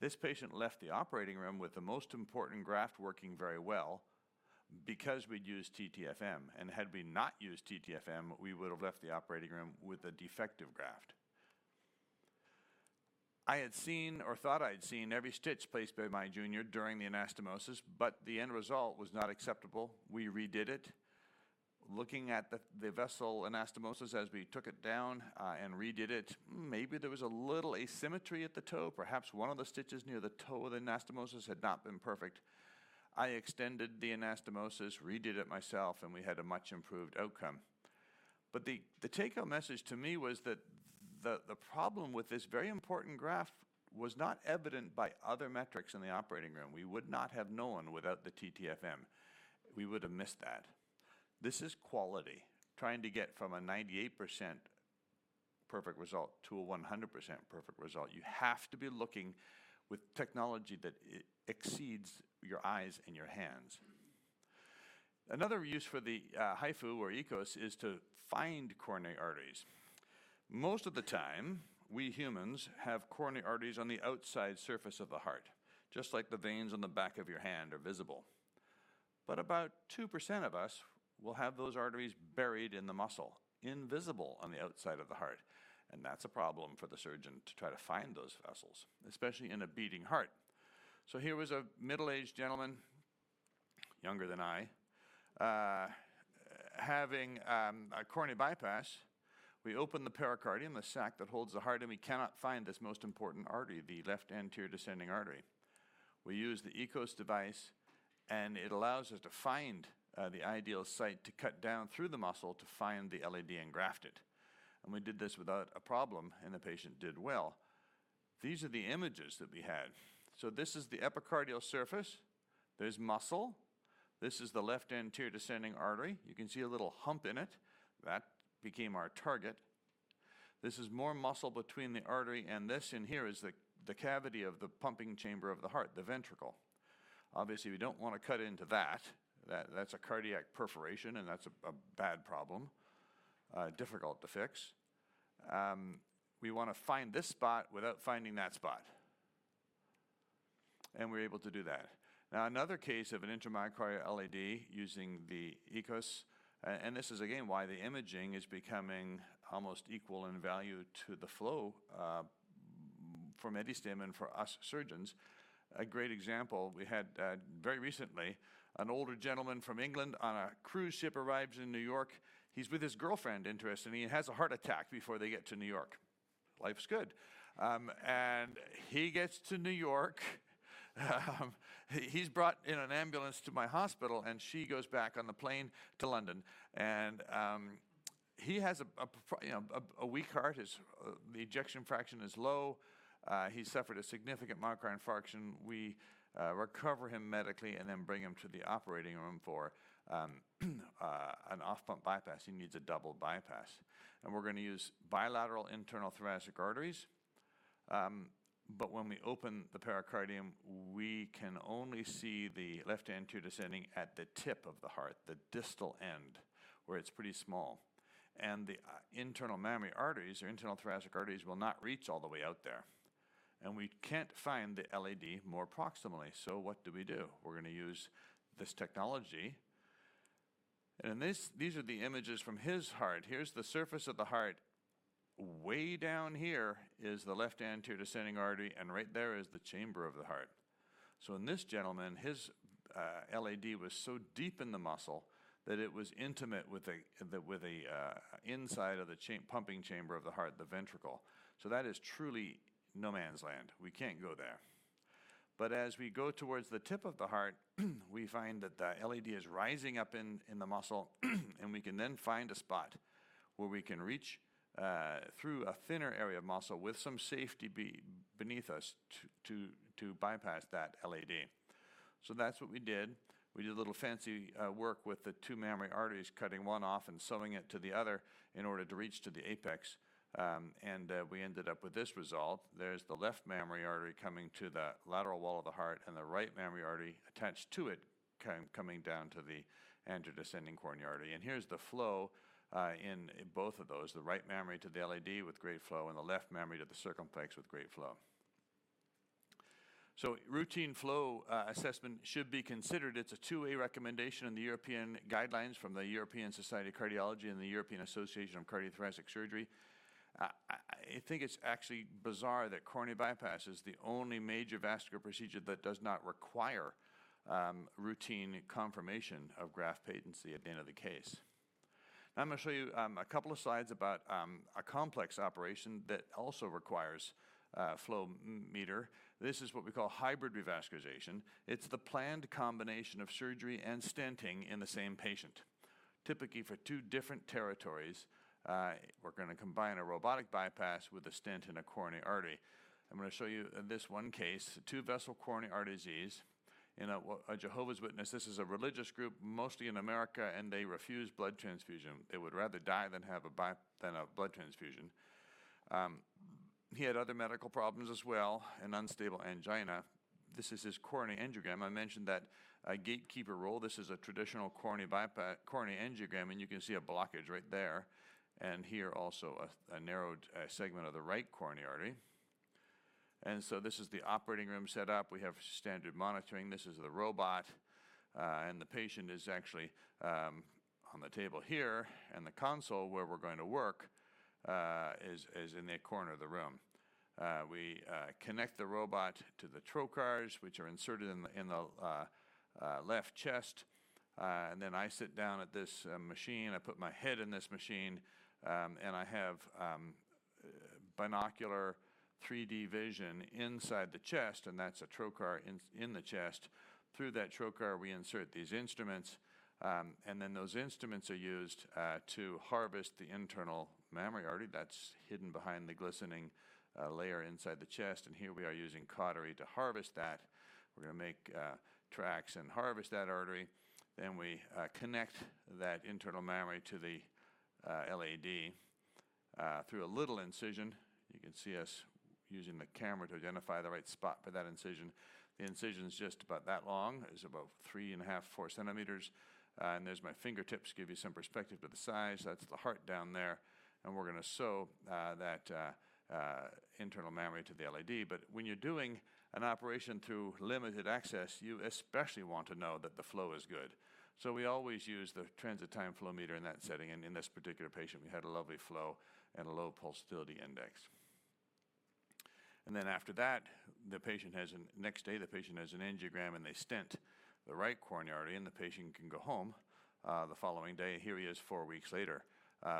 This patient left the operating room with the most important graft working very well because we'd used TTFM, and had we not used TTFM, we would have left the operating room with a defective graft. I had seen or thought I'd seen every stitch placed by my junior during the anastomosis, but the end result was not acceptable. We redid it. Looking at the vessel anastomosis as we took it down, and redid it, maybe there was a little asymmetry at the toe. Perhaps one of the stitches near the toe of the anastomosis had not been perfect. I extended the anastomosis, redid it myself, and we had a much improved outcome. The, the take-home message to me was that the problem with this very important graft was not evident by other metrics in the operating room. We would not have known without the TTFM. We would have missed that. This is quality. Trying to get from a 98% perfect result to a 100% perfect result. You have to be looking with technology that exceeds your eyes and your hands. Another use for the HFUS or Epiaortic US is to find coronary arteries. Most of the time, we humans have coronary arteries on the outside surface of the heart, just like the veins on the back of your hand are visible. About 2% of us will have those arteries buried in the muscle, invisible on the outside of the heart, and that's a problem for the surgeon to try to find those vessels, especially in a beating heart. Here was a middle-aged gentleman, younger than I, having a coronary bypass. We open the pericardium, the sac that holds the heart, and we cannot find this most important artery, the left anterior descending artery. We use the echo device, and it allows us to find the ideal site to cut down through the muscle to find the LAD and graft it. We did this without a problem, and the patient did well. These are the images that we had. This is the epicardial surface. There's muscle. This is the left anterior descending artery. You can see a little hump in it. That became our target. This is more muscle between the artery, and this in here is the cavity of the pumping chamber of the heart, the ventricle. Obviously, we don't wanna cut into that. That's a cardiac perforation, and that's a bad problem, difficult to fix. We wanna find this spot without finding that spot. We're able to do that. Now, another case of an intramyocardial LAD using the echo, this is again, why the imaging is becoming almost equal in value to the flow, for Medistim and for us surgeons. A great example, we had, very recently an older gentleman from England on a cruise ship arrives in New York. He's with his girlfriend, interestingly, has a heart attack before they get to New York. Life's good. He gets to New York. He's brought in an ambulance to my hospital, she goes back on the plane to London. He has a, you know, a weak heart. His, the ejection fraction is low. He suffered a significant myocardial infarction. We recover him medically and then bring him to the operating room for an off-pump bypass. He needs a double bypass. We're gonna use bilateral internal thoracic arteries. When we open the pericardium, we can only see the left anterior descending at the tip of the heart, the distal end, where it's pretty small. The internal mammary arteries or internal thoracic arteries will not reach all the way out there. We can't find the LAD more proximally. What do we do? We're gonna use this technology. These are the images from his heart. Here's the surface of the heart. Way down here is the left anterior descending artery, and right there is the chamber of the heart. In this gentleman, his LAD was so deep in the muscle that it was intimate with the inside of the pumping chamber of the heart, the ventricle. That is truly no man's land. We can't go there. As we go towards the tip of the heart, we find that the LAD is rising up in the muscle, and we can then find a spot where we can reach through a thinner area of muscle with some safety beneath us to bypass that LAD. That's what we did. We did a little fancy work with the two mammary arteries, cutting one off and sewing it to the other in order to reach to the apex. We ended up with this result. There's the left mammary artery coming to the lateral wall of the heart and the right mammary artery attached to it coming down to the anterior descending coronary artery. Here's the flow in both of those, the right mammary to the LAD with great flow and the left mammary to the circumflex with great flow. Routine flow assessment should be considered. It's a 2A recommendation in the European guidelines from the European Society of Cardiology and the European Association for Cardio-Thoracic Surgery. I think it's actually bizarre that coronary bypass is the only major vascular procedure that does not require routine confirmation of graft patency at the end of the case. I'm gonna show you a couple of slides about a complex operation that also requires a flow meter. This is what we call hybrid revascularization. It's the planned combination of surgery and stenting in the same patient. Typically for two different territories, we're gonna combine a robotic bypass with a stent in a coronary artery. I'm gonna show you in this one case, two vessel coronary artery disease in a Jehovah's Witness. This is a religious group, mostly in America, and they refuse blood transfusion. They would rather die than have a blood transfusion. He had other medical problems as well, and unstable angina. This is his coronary angiogram. I mentioned that a gatekeeper role, this is a traditional coronary angiogram, and you can see a blockage right there, and here also a narrowed segment of the right coronary artery. This is the operating room set up. We have standard monitoring. This is the robot, and the patient is actually on the table here, and the console where we're going to work is in that corner of the room. We connect the robot to the trocars, which are inserted in the left chest, and then I sit down at this machine. I put my head in this machine, I have binocular 3D vision inside the chest, and that's a trocar in the chest. Through that trocar, we insert these instruments, those instruments are used to harvest the internal mammary artery that's hidden behind the glistening layer inside the chest, and here we are using cautery to harvest that. We're gonna make tracts and harvest that artery. We connect that internal mammary to the LAD through a little incision. You can see us using the camera to identify the right spot for that incision. The incision's just about that long. It's about 3.5-4 centimeters, there's my fingertips to give you some perspective to the size. That's the heart down there, we're gonna sew that internal mammary to the LAD. When you're doing an operation through limited access, you especially want to know that the flow is good. We always use the transit time flow meter in that setting, and in this particular patient, we had a lovely flow and a low pulsatility index. After that, next day, the patient has an angiogram, they stent the right coronary artery, the patient can go home the following day. Here he is 4 weeks later,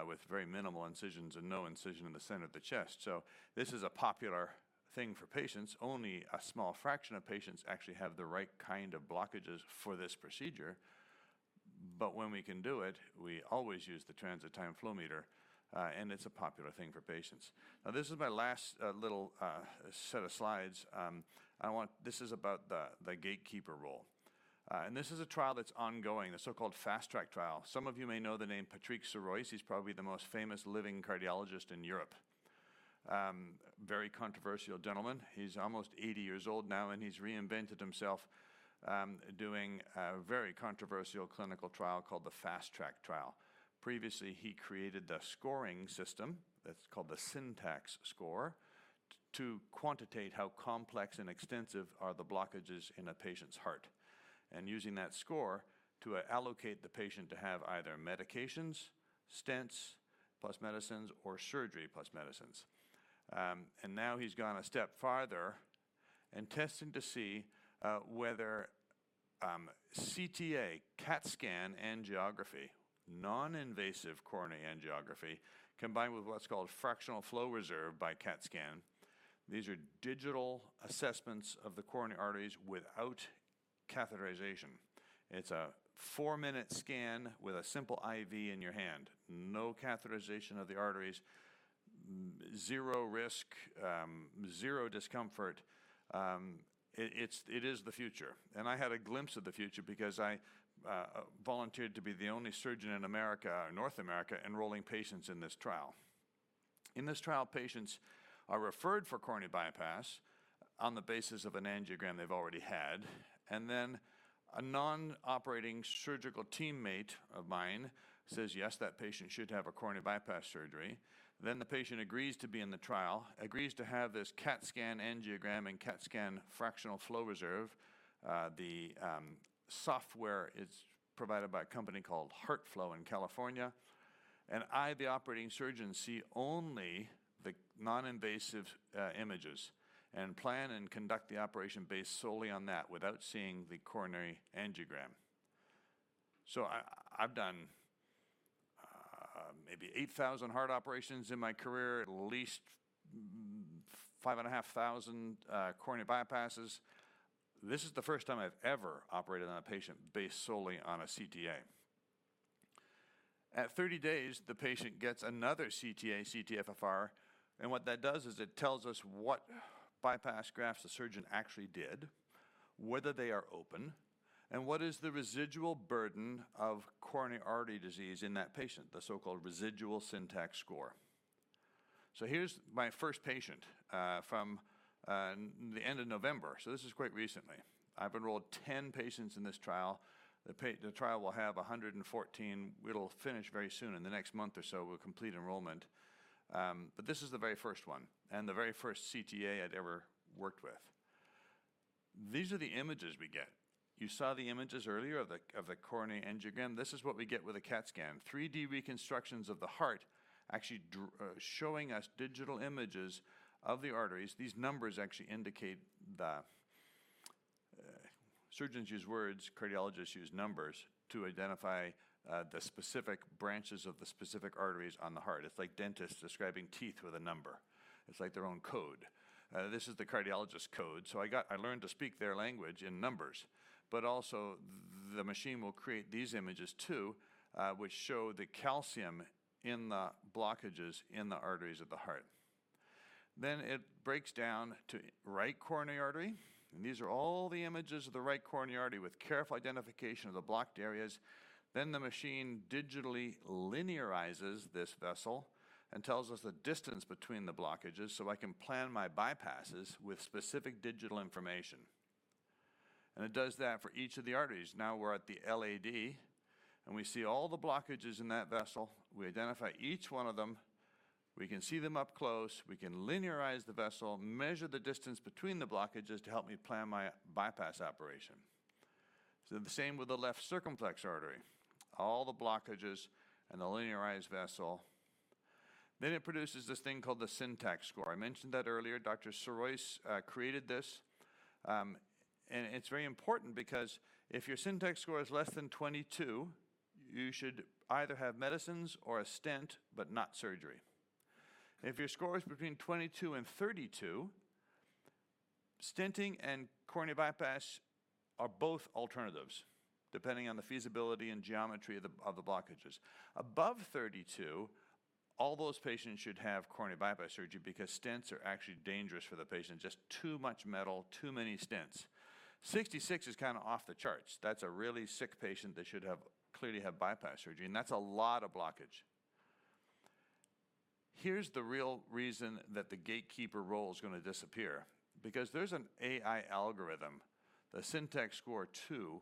with very minimal incisions and no incision in the center of the chest. This is a popular thing for patients. Only a small fraction of patients actually have the right kind of blockages for this procedure. When we can do it, we always use the transit time flow meter, and it's a popular thing for patients. Now, this is my last little set of slides. This is about the gatekeeper role. This is a trial that's ongoing, the so-called FAST TRACK trial. Some of you may know the name Patrick Serruys. He's probably the most famous living cardiologist in Europe. Very controversial gentleman. He's almost 80 years old now, and he's reinvented himself, doing a very controversial clinical trial called the FAST TRACK trial. Previously, he created the scoring system, that's called the SYNTAX score, to quantitate how complex and extensive are the blockages in a patient's heart, and using that score to allocate the patient to have either medications, stents plus medicines or surgery plus medicines. Now he's gone a step farther and testing to see whether CTA, CT scan angiography, non-invasive coronary angiography, combined with what's called fractional flow reserve by CT scan. These are digital assessments of the coronary arteries without catheterization. It's a 4-minute scan with a simple IV in your hand. No catheterization of the arteries, zero risk, zero discomfort. It is the future, I had a glimpse of the future because I volunteered to be the only surgeon in America, or North America, enrolling patients in this trial. In this trial, patients are referred for coronary bypass on the basis of an angiogram they've already had. A non-operating surgical teammate of mine says, "Yes, that patient should have a coronary bypass surgery." The patient agrees to be in the trial, agrees to have this CT scan angiogram and CT scan fractional flow reserve. The software is provided by a company called HeartFlow in California. I, the operating surgeon, see only the non-invasive images and plan and conduct the operation based solely on that without seeing the coronary angiogram. I've done maybe 8,000 heart operations in my career, at least 5,500 coronary bypasses. This is the first time I've ever operated on a patient based solely on a CTA. At 30 days, the patient gets another CTA, CT-FFR, what that does is it tells us what bypass grafts the surgeon actually did, whether they are open, and what is the residual burden of coronary artery disease in that patient, the so-called residual SYNTAX score. Here's my first patient from the end of November, so this is quite recently. I've enrolled 10 patients in this trial. The trial will have 114. It'll finish very soon. In the next month or so, we'll complete enrollment. This is the very first one and the very first CTA I'd ever worked with. These are the images we get. You saw the images earlier of the coronary angiogram. This is what we get with a CT scan. 3D reconstructions of the heart actually showing us digital images of the arteries. These numbers actually indicate the. Surgeons use words, cardiologists use numbers to identify the specific branches of the specific arteries on the heart. It's like dentists describing teeth with a number. It's like their own code. This is the cardiologist code, so I learned to speak their language in numbers. Also the machine will create these images too, which show the calcium in the blockages in the arteries of the heart. It breaks down to right coronary artery, and these are all the images of the right coronary artery with careful identification of the blocked areas. The machine digitally linearizes this vessel and tells us the distance between the blockages, so I can plan my bypasses with specific digital information. It does that for each of the arteries. We're at the LAD and we see all the blockages in that vessel. We identify each one of them. We can see them up close. We can linearize the vessel, measure the distance between the blockages to help me plan my bypass operation. The same with the left circumflex artery, all the blockages and the linearized vessel. It produces this thing called the SYNTAX score. I mentioned that earlier. Dr. Serruys created this, and it's very important because if your SYNTAX score is less than 22, you should either have medicines or a stent but not surgery. If your score is between 22 and 32, stenting and coronary bypass are both alternatives depending on the feasibility and geometry of the blockages. Above 32, all those patients should have coronary bypass surgery because stents are actually dangerous for the patient. Just too much metal, too many stents. 66 is kind of off the charts. That's a really sick patient that should clearly have bypass surgery, and that's a lot of blockage. Here's the real reason that the gatekeeper role is gonna disappear because there's an AI algorithm, the SYNTAX Score II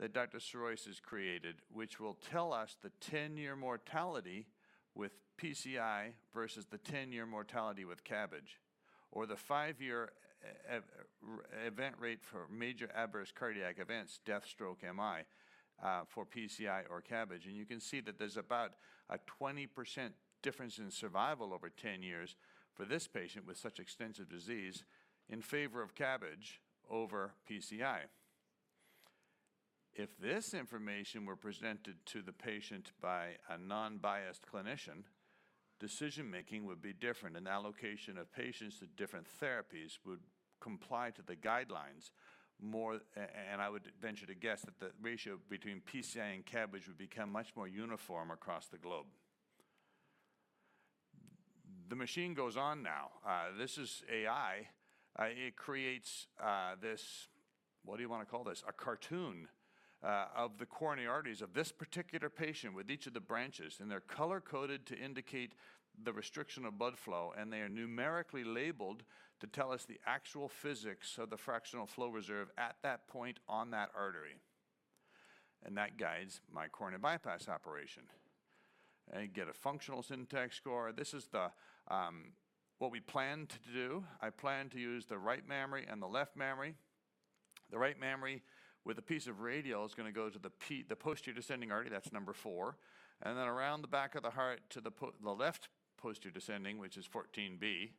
that Dr. Serruys has created which will tell us the 10-year mortality with PCI versus the 10-year mortality with CABG or the 5-year event rate for major adverse cardiac events, death, stroke, MI, for PCI or CABG. You can see that there's about a 20% difference in survival over 10 years for this patient with such extensive disease in favor of CABG over PCI. If this information were presented to the patient by a non-biased clinician, decision-making would be different and allocation of patients to different therapies would comply to the guidelines more. I would venture to guess that the ratio between PCI and CABG would become much more uniform across the globe. The machine goes on now. This is AI. It creates, what do you want to call this? A cartoon of the coronary arteries of this particular patient with each of the branches, and they're color-coded to indicate the restriction of blood flow and they are numerically labeled to tell us the actual physics of the fractional flow reserve at that point on that artery and that guides my coronary bypass operation. I get a functional SYNTAX score. This is the, what we planned to do. I planned to use the right mammary and the left mammary. The right mammary with a piece of radial is gonna go to the posterior descending artery, that's number 4 and then around the back of the heart to the left posterior descending which is 14 B.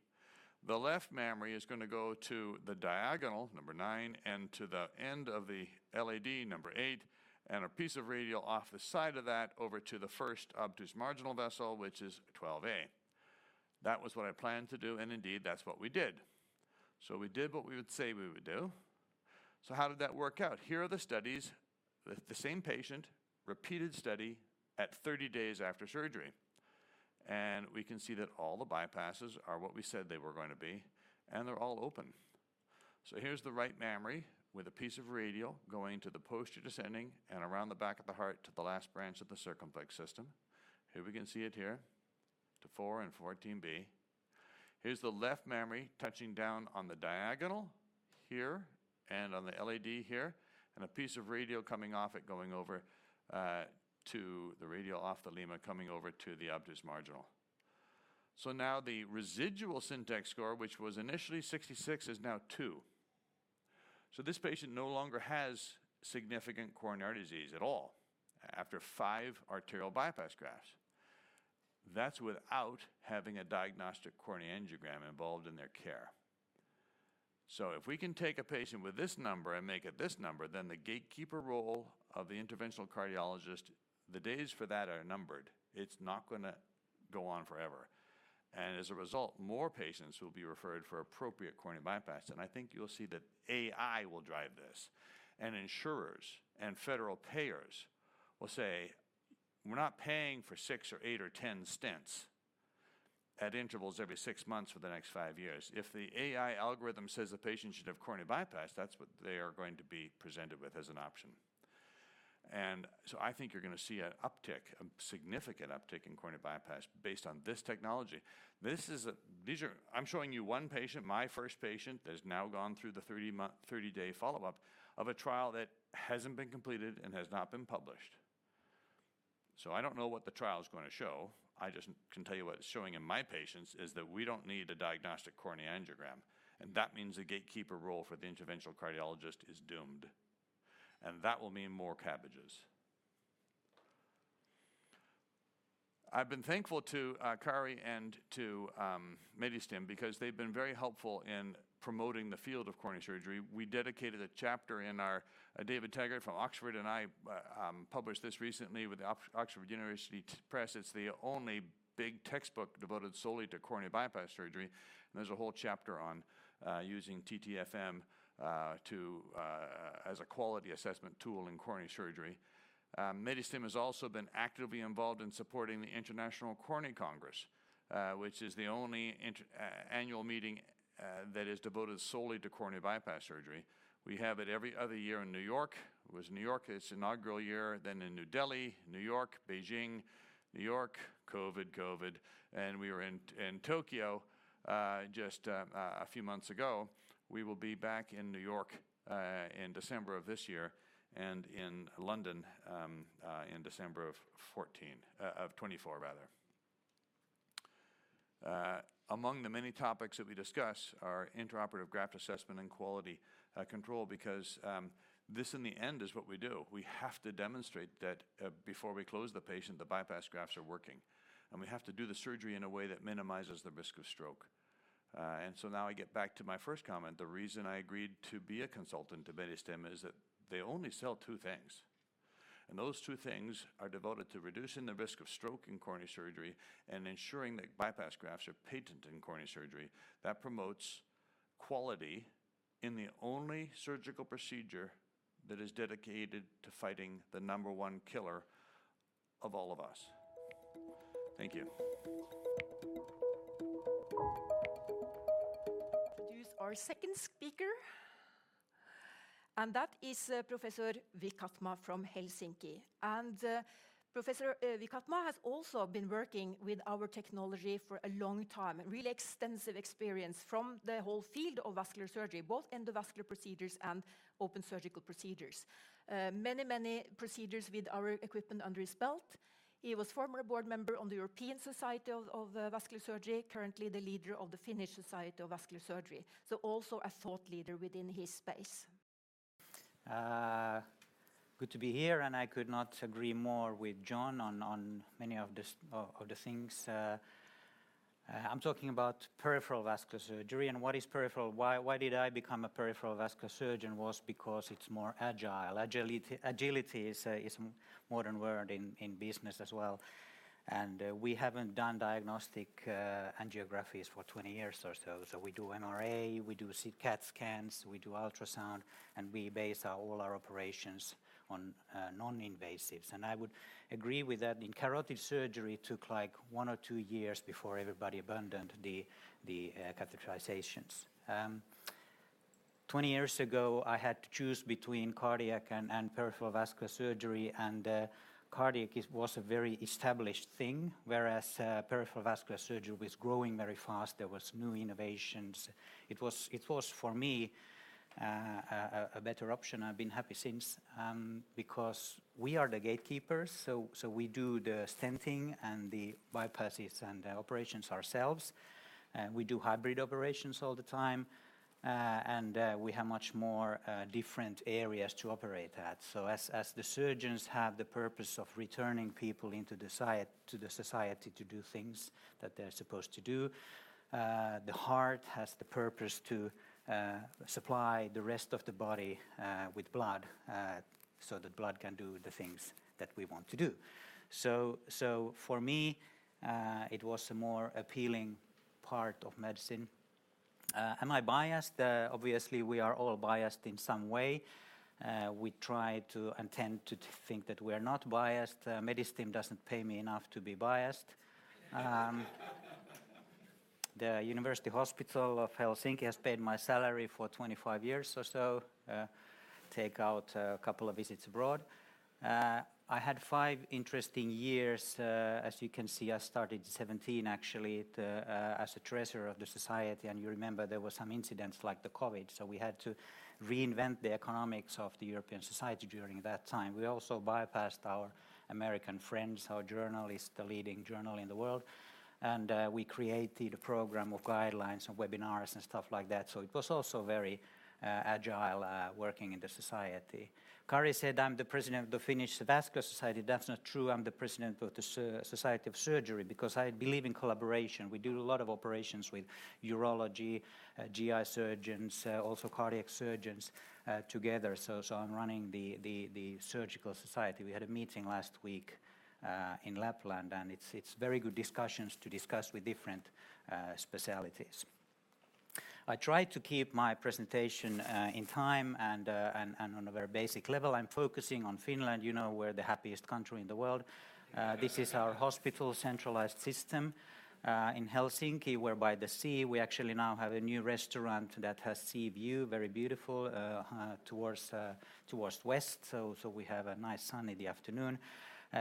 The left mammary is gonna go to the diagonal, number 9, and to the end of the LAD, number 8 and a piece of radial off the side of that over to the first obtuse marginal vessel which is 12 A. That was what I planned to do. Indeed, that's what we did. We did what we would say we would do. How did that work out? Here are the studies with the same patient, repeated study at 30 days after surgery. We can see that all the bypasses are what we said they were going to be and they're all open. Here's the right mammary with a piece of radial going to the posterior descending and around the back of the heart to the last branch of the circumflex system. Here we can see it here, the 4 and 14 B. Here's the left mammary touching down on the diagonal here and on the LAD here and a piece of radial coming off it going over to the radial off the lima coming over to the obtuse marginal. Now the residual SYNTAX score which was initially 66 is now 2. This patient no longer has significant coronary disease at all after 5 arterial bypass grafts. That's without having a diagnostic coronary angiogram involved in their care. If we can take a patient with this number and make it this number, then the gatekeeper role of the interventional cardiologist, the days for that are numbered. It's not gonna go on forever. As a result, more patients will be referred for appropriate coronary bypass and I think you'll see that AI will drive this. Insurers and federal payers will say, "We're not paying for 6 or 8 or 10 stents at intervals every 6 months for the next 5 years." If the AI algorithm says the patient should have coronary bypass, that's what they are going to be presented with as an option. I think you're gonna see an uptick, a significant uptick in coronary bypass based on this technology. I'm showing you one patient, my first patient that has now gone through the 30-month, 30-day follow-up of a trial that hasn't been completed and has not been published. I don't know what the trial's gonna show. I just can tell you what it's showing in my patients is that we don't need a diagnostic coronary angiogram and that means the gatekeeper role for the interventional cardiologist is doomed and that will mean more CABGs. I've been thankful to Kari and to Medistim because they've been very helpful in promoting the field of coronary surgery. We dedicated a chapter in our, David Taggart from Oxford and I published this recently with the Oxford University Press. It's the only big textbook devoted solely to coronary bypass surgery, and there's a whole chapter on using TTFM to as a quality assessment tool in coronary surgery. Medistim has also been actively involved in supporting the International Coronary Congress, which is the only annual meeting that is devoted solely to coronary bypass surgery. We have it every other year in New York. It was New York its inaugural year, then in New Delhi, New York, Beijing, New York, COVID, we were in Tokyo a few months ago. We will be back in New York in December of this year and in London in December of 2024 rather. Among the many topics that we discuss are intraoperative graft assessment and quality control because this in the end is what we do. We have to demonstrate that before we close the patient, the bypass grafts are working, and we have to do the surgery in a way that minimizes the risk of stroke. Now I get back to my first comment. The reason I agreed to be a consultant to Medistim is that they only sell two things, and those two things are devoted to reducing the risk of stroke in coronary surgery and ensuring that bypass grafts are patent in coronary surgery. That promotes quality in the only surgical procedure that is dedicated to fighting the number one killer of all of us. Thank you. Introduce our second speaker. That is Professor Vikatmaa from Helsinki. Professor Vikatmaa has also been working with our technology for a long time, really extensive experience from the whole field of vascular surgery, both endovascular procedures and open surgical procedures. Many procedures with our equipment under his belt. He was former board member on the European Society of Vascular Surgery, currently the leader of the Finnish Society for Vascular Surgery, also a thought leader within his space. Good to be here, and I could not agree more with John on, of the things. I'm talking about peripheral vascular surgery, and why did I become a peripheral vascular surgeon was because it's more agile. Agility, agility is a modern word in business as well. We haven't done diagnostic angiographies for 20 years or so. We do MRA, we do CT scans, we do ultrasound, and we base all our operations on non-invasives. I would agree with that. In carotid surgery, it took like 1 or 2 years before everybody abandoned the catheterizations. 20 years ago, I had to choose between cardiac and peripheral vascular surgery. Cardiac was a very established thing, whereas peripheral vascular surgery was growing very fast. There was new innovations. It was for me a better option. I've been happy since, because we are the gatekeepers. We do the stenting and the bypasses and the operations ourselves. We do hybrid operations all the time, and we have much more different areas to operate at. As the surgeons have the purpose of returning people into the society to do things that they're supposed to do, the heart has the purpose to supply the rest of the body with blood, so that blood can do the things that we want to do. For me, it was a more appealing part of medicine. Am I biased? Obviously we are all biased in some way. We try to and tend to think that we are not biased. Medistim doesn't pay me enough to be biased. The Helsinki University Hospital has paid my salary for 25 years or so, take out a couple of visits abroad. I had five interesting years. As you can see, I started 17 actually at as a treasurer of the society. You remember there were some incidents like the COVID, we had to reinvent the economics of the European society during that time. We also bypassed our American friends. Our journal is the leading journal in the world. We created a program of guidelines and webinars and stuff like that. It was also very agile working in the society. Kari said I'm the president of the Finnish Vascular Society. That's not true. I'm the president of the Society of Surgery because I believe in collaboration. We do a lot of operations with urology, GI surgeons, also cardiac surgeons together. I'm running the surgical society. We had a meeting last week in Lapland, and it's very good discussions to discuss with different specialties. I try to keep my presentation in time and on a very basic level. I'm focusing on Finland. You know we're the happiest country in the world. This is our hospital centralized system in Helsinki, we're by the sea. We actually now have a new restaurant that has sea view, very beautiful towards west. We have a nice sun in the afternoon.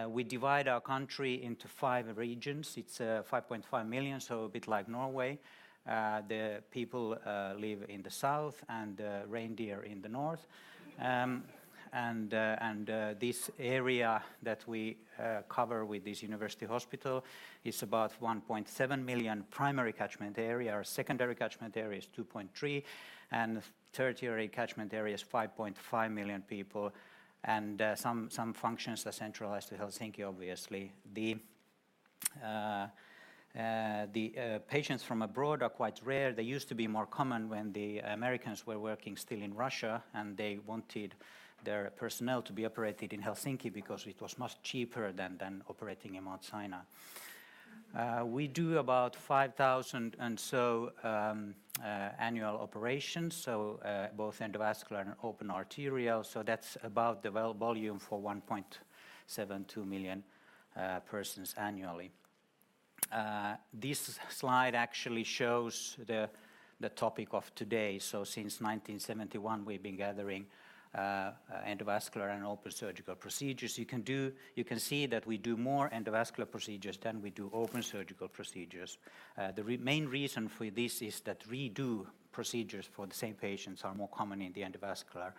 We divide our country into 5 regions. It's 5.5 million, so a bit like Norway. The people live in the south and the reindeer in the north. This area that we cover with this university hospital is about 1.7 million primary catchment area. Our secondary catchment area is 2.3, and the tertiary catchment area is 5.5 million people. Some functions are centralized to Helsinki, obviously. The patients from abroad are quite rare. They used to be more common when the Americans were working still in Russia, and they wanted their personnel to be operated in Helsinki because it was much cheaper than operating in Mount Sinai. We do about 5,000 annual operations, both endovascular and open arterial. That's about the volume for 1.72 million persons annually. This slide actually shows the topic of today. Since 1971, we've been gathering endovascular and open surgical procedures. You can see that we do more endovascular procedures than we do open surgical procedures. The main reason for this is that redo procedures for the same patients are more common in the endovascular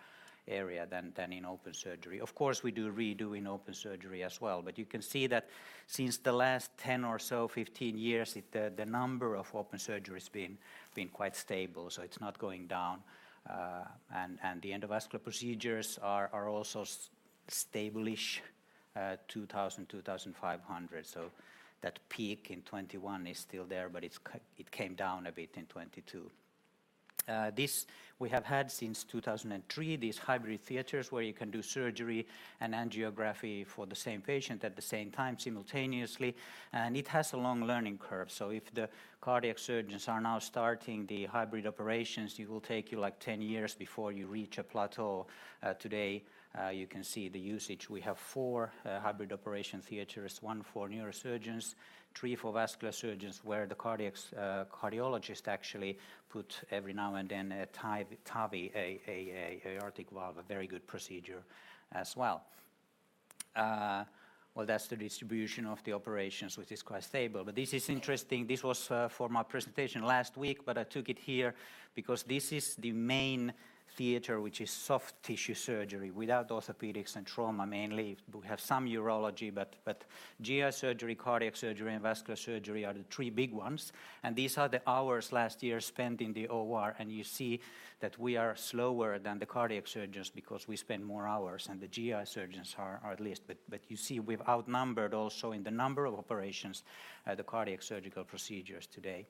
area than in open surgery. Of course, we do redoing open surgery as well, you can see that since the last 10 or so, 15 years, the number of open surgeries been quite stable, so it's not going down. The endovascular procedures are also stable-ish, 2,000, 2,500. That peak in 2021 is still there, but it came down a bit in 2022. This we have had since 2003, these hybrid theaters where you can do surgery and angiography for the same patient at the same time simultaneously. It has a long learning curve. If the cardiac surgeons are now starting the hybrid operations, it will take you, like, 10 years before you reach a plateau. Today, you can see the usage. We have 4 hybrid operation theaters, 1 for neurosurgeons, 3 for vascular surgeons, where the cardiologist actually put every now and then a TAVI, a aortic valve, a very good procedure as well. Well, that's the distribution of the operations, which is quite stable. This is interesting. This was for my presentation last week, but I took it here because this is the main theater, which is soft tissue surgery without orthopedics and trauma mainly. We have some urology, but GI surgery, cardiac surgery, and vascular surgery are the three big ones. These are the hours last year spent in the OR, and you see that we are slower than the cardiac surgeons because we spend more hours, and the GI surgeons are least. But you see we've outnumbered also in the number of operations, the cardiac surgical procedures today.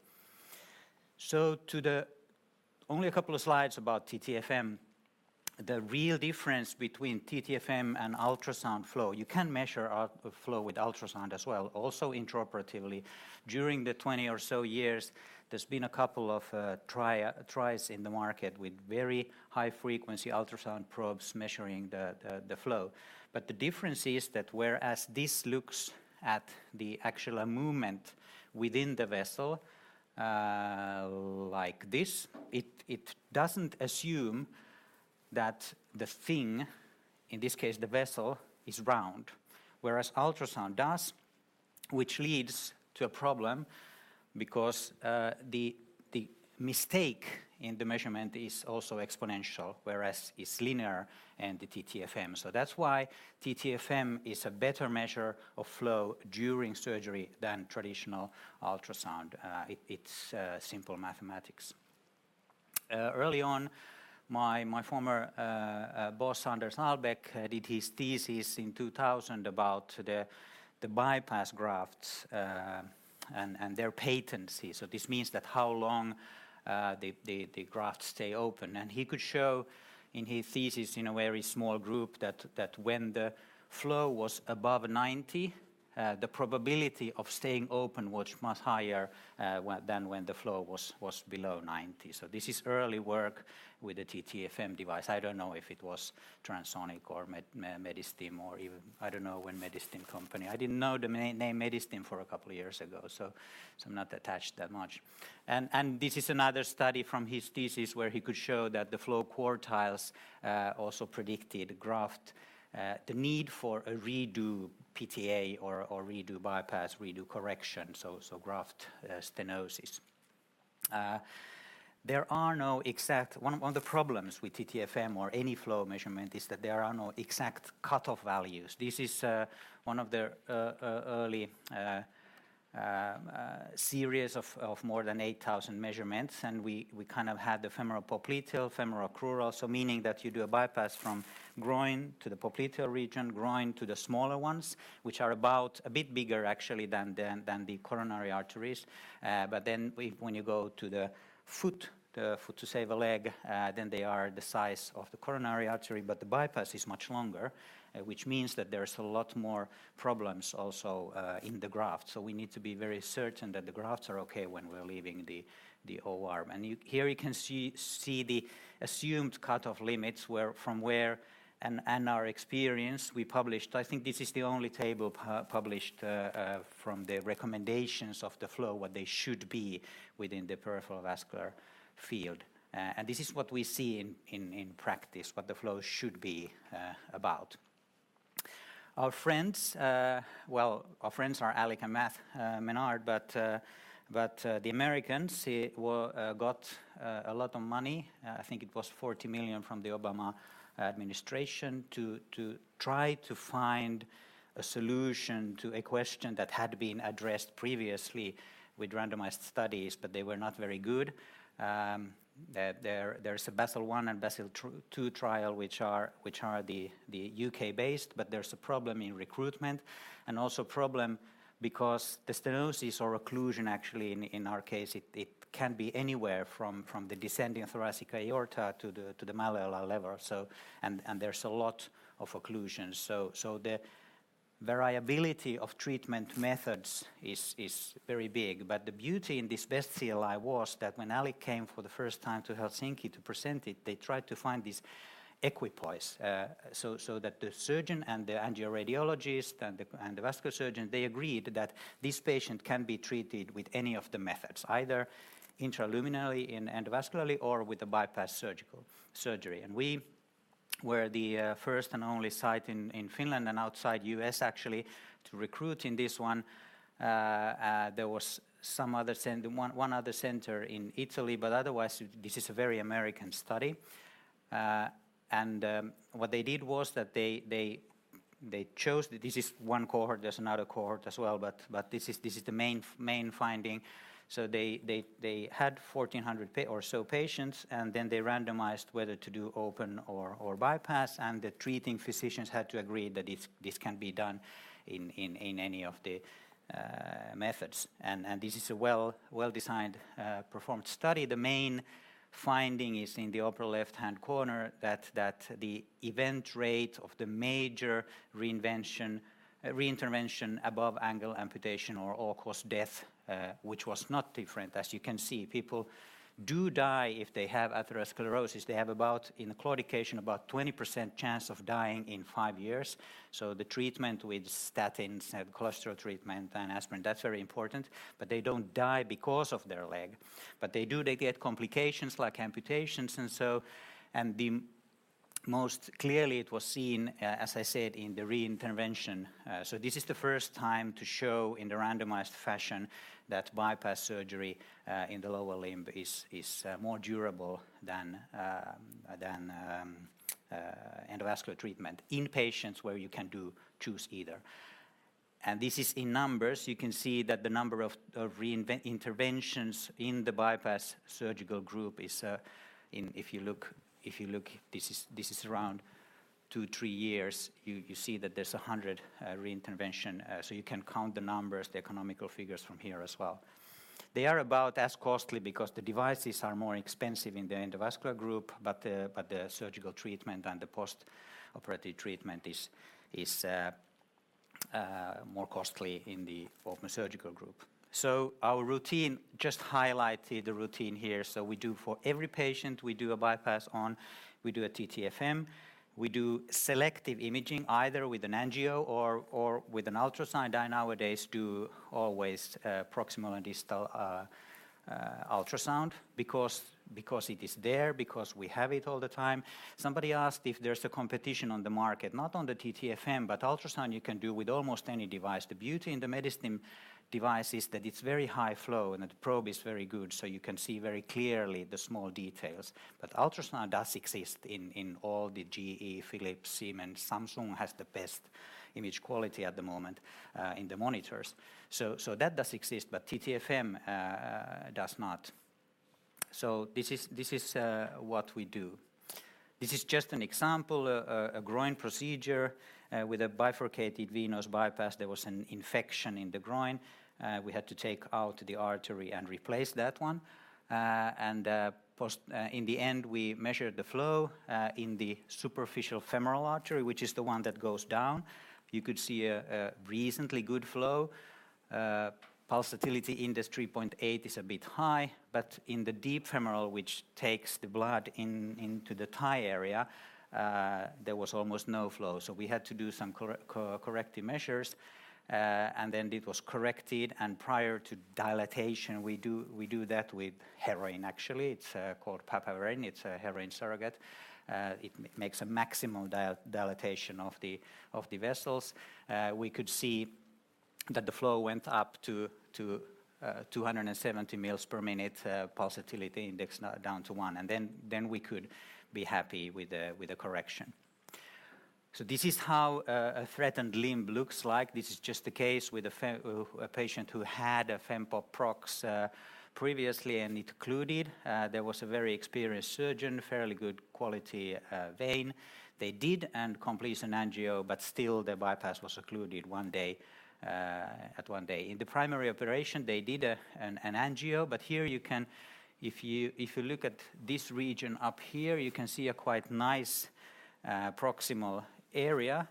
Only a couple of slides about TTFM. The real difference between TTFM and ultrasound flow, you can measure out the flow with ultrasound as well, also intraoperatively. During the 20 or so years, there's been a couple of tries in the market with very high frequency ultrasound probes measuring the flow. The difference is that whereas this looks at the actual movement within the vessel, like this, it doesn't assume that the thing, in this case, the vessel, is round, whereas ultrasound does, which leads to a problem because the mistake in the measurement is also exponential, whereas it's linear in the TTFM. That's why TTFM is a better measure of flow during surgery than traditional ultrasound. It's simple mathematics. Early on, my former boss, Anders Albäck, did his thesis in 2000 about the bypass grafts and their patency. This means that how long the grafts stay open. He could show in his thesis in a very small group that when the flow was above 90, the probability of staying open was much higher than when the flow was below 90. This is early work with the TTFM device. I don't know if it was Transonic or Medistim or even, I don't know when Medistim company. I didn't know the name Medistim for a couple of years ago, so I'm not attached that much. This is another study from his thesis where he could show that the flow quartiles also predicted graft the need for a redo PTA or redo bypass, redo correction, graft stenosis. There are no exact One of the problems with TTFM or any flow measurement is that there are no exact cutoff values. This is one of the early series of more than 8,000 measurements. We kind of had the femoropopliteal, femorocrural, meaning that you do a bypass from groin to the popliteal region, groin to the smaller ones, which are about a bit bigger actually than the coronary arteries. When you go to the foot, the foot to save a leg, then they are the size of the coronary artery, but the bypass is much longer, which means that there's a lot more problems also in the graft. We need to be very certain that the grafts are okay when we're leaving the OR. Here you can see the assumed cutoff limits from where our experience we published. I think this is the only table published from the recommendations of the flow, what they should be within the peripheral vascular field. and this is what we see in practice, what the flow should be about. Our friends, well, our friends are Alik and Matthew Menard, but the Americans, they were got a lot of money, I think it was $40 million from the Obama administration, to try to find a solution to a question that had been addressed previously with randomized studies, but they were not very good. There's a BASIL-1 and BASIL-2 trial, which are the U.K.-based, but there's a problem in recruitment, and also problem because the stenosis or occlusion actually in our case, it can be anywhere from the descending thoracic aorta to the malleolar level. And there's a lot of occlusions. The variability of treatment methods is very big, but the beauty in this BEST-CLI was that when Alik came for the first time to Helsinki to present it, they tried to find this equipoise, so that the surgeon and the angioradiologist and the vascular surgeon, they agreed that this patient can be treated with any of the methods, either intraluminally, in endovascularly, or with a bypass surgical surgery. We were the first and only site in Finland and outside U.S. actually to recruit in this one. There was some other one other center in Italy, but otherwise, this is a very American study. What they did was that they chose. This is one cohort. There's another cohort as well, but this is the main finding. They had 1,400 or so patients, and then they randomized whether to do open or bypass, and the treating physicians had to agree that this can be done in any of the methods. This is a well-designed, performed study. The main finding is in the upper left-hand corner that the event rate of the major reintervention, above-ankle amputation or all-cause death, which was not different as you can see. People do die if they have atherosclerosis. They have about, in claudication, about 20% chance of dying in 5 years. The treatment with statins, cholesterol treatment, and aspirin, that's very important. They don't die because of their leg, they do, they get complications like amputations and so, the most clearly it was seen, as I said, in the reintervention. This is the first time to show in the randomized fashion that bypass surgery in the lower limb is more durable than endovascular treatment in patients where you can do, choose either. This is in numbers. You can see that the number of interventions in the bypass surgical group is if you look, this is around 2, 3 years. You see that there's 100 reintervention. You can count the numbers, the economical figures from here as well. They are about as costly because the devices are more expensive in the endovascular group, but the surgical treatment and the postoperative treatment is more costly in the open surgical group. Our routine, just highlighted the routine here. We do for every patient, we do a bypass on, we do a TTFM. We do selective imaging either with an angio or with an ultrasound. I nowadays do always proximal and distal ultrasound because it is there, because we have it all the time. Somebody asked if there's a competition on the market. Not on the TTFM, ultrasound you can do with almost any device. The beauty in the Medistim device is that it's very high flow and the probe is very good, so you can see very clearly the small details. Ultrasound does exist in all the GE, Philips, Siemens. Samsung has the best image quality at the moment in the monitors. That does exist, TTFM does not. This is what we do. This is just an example, a groin procedure with a bifurcated venous bypass. There was an infection in the groin. We had to take out the artery and replace that one. In the end, we measured the flow in the superficial femoral artery, which is the one that goes down. You could see a reasonably good flow. Pulsatility index 3.8 is a bit high, in the deep femoral, which takes the blood into the thigh area, there was almost no flow. We had to do some corrective measures, and then it was corrected and prior to dilatation. We do that with heroin, actually. It's called papaverine. It's a heroin surrogate. It makes a maximum dilatation of the vessels. We could see that the flow went up to 270 mils per minute, pulsatility index now down to one, then we could be happy with the correction. This is how a threatened limb looks like. This is just a case with a patient who had a fempop bypass previously and it occluded. There was a very experienced surgeon, fairly good quality vein. They did and complete an angio, still the bypass was occluded one day. In the primary operation, they did an angio, here you can, if you look at this region up here, you can see a quite nice proximal area.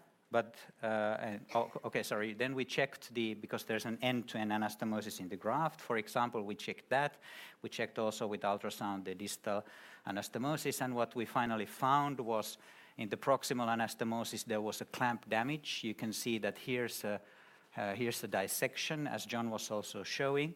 Oh, okay, sorry. We checked the, because there's an end-to-end anastomosis in the graft. For example, we checked that. We checked also with ultrasound the distal anastomosis, what we finally found was in the proximal anastomosis, there was a clamp damage. You can see that here is the dissection as John was also showing.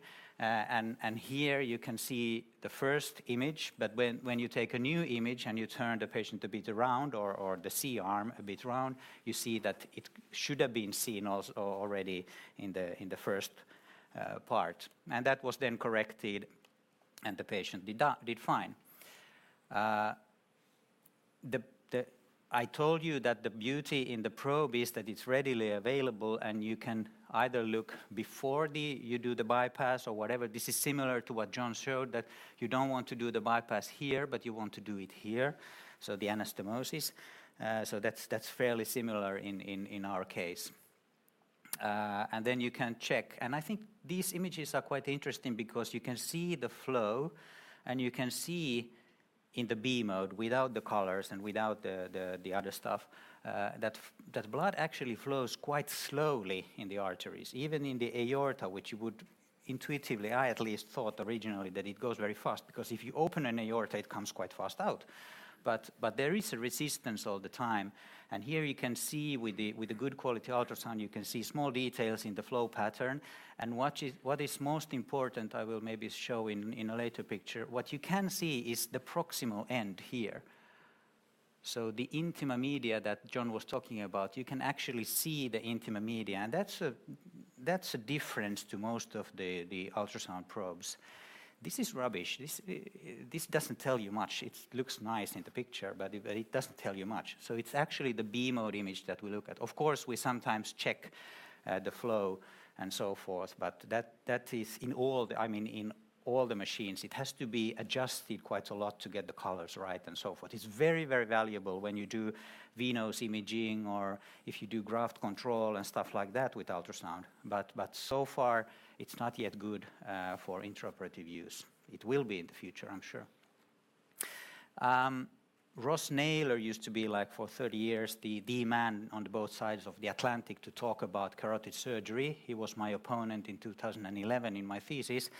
Here you can see the first image, but when you take a new image and you turn the patient a bit around or the C-arm a bit around, you see that it should have been seen already in the first part. That was then corrected, and the patient did fine. I told you that the beauty in the probe is that it's readily available and you can either look before you do the bypass or whatever. This is similar to what John showed, that you don't want to do the bypass here, but you want to do it here, so the anastomosis. That's fairly similar in our case. Then you can check. I think these images are quite interesting because you can see the flow, and you can see in the B-mode without the colors and without the other stuff, that blood actually flows quite slowly in the arteries, even in the aorta, which you would intuitively, I at least thought originally that it goes very fast because if you open an aorta, it comes quite fast out. There is a resistance all the time, and here you can see with the good quality ultrasound, you can see small details in the flow pattern. What is most important, I will maybe show in a later picture, what you can see is the proximal end here. The intima-media that John was talking about, you can actually see the intima-media, and that's a, that's a difference to most of the ultrasound probes. This is rubbish. This doesn't tell you much. It looks nice in the picture, but it doesn't tell you much. It's actually the B-mode image that we look at. Of course, we sometimes check the flow and so forth, but that is in all the machines, it has to be adjusted quite a lot to get the colors right and so forth. It's very, very valuable when you do venous imaging or if you do graft control and stuff like that with ultrasound. But so far, it's not yet good for intraoperative use. It will be in the future, I'm sure. Ross Naylor used to be like for 30 years, the man on the both sides of the Atlantic to talk about carotid surgery. He was my opponent in 2011 in my thesis.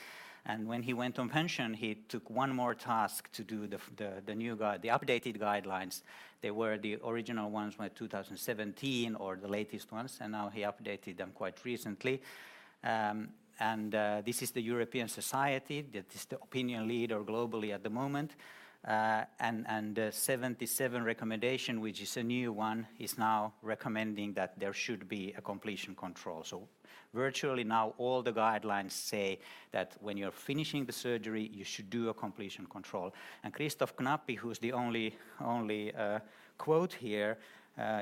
When he went on pension, he took one more task to do the updated guidelines. They were the original ones by 2017 or the latest ones, and now he updated them quite recently. This is the European Society for Vascular Surgery that is the opinion leader globally at the moment. 77 recommendation, which is a new one, is now recommending that there should be a completion control. Virtually now all the guidelines say that when you're finishing the surgery, you should do a completion control. Christoph Knappich, who is the only quote here,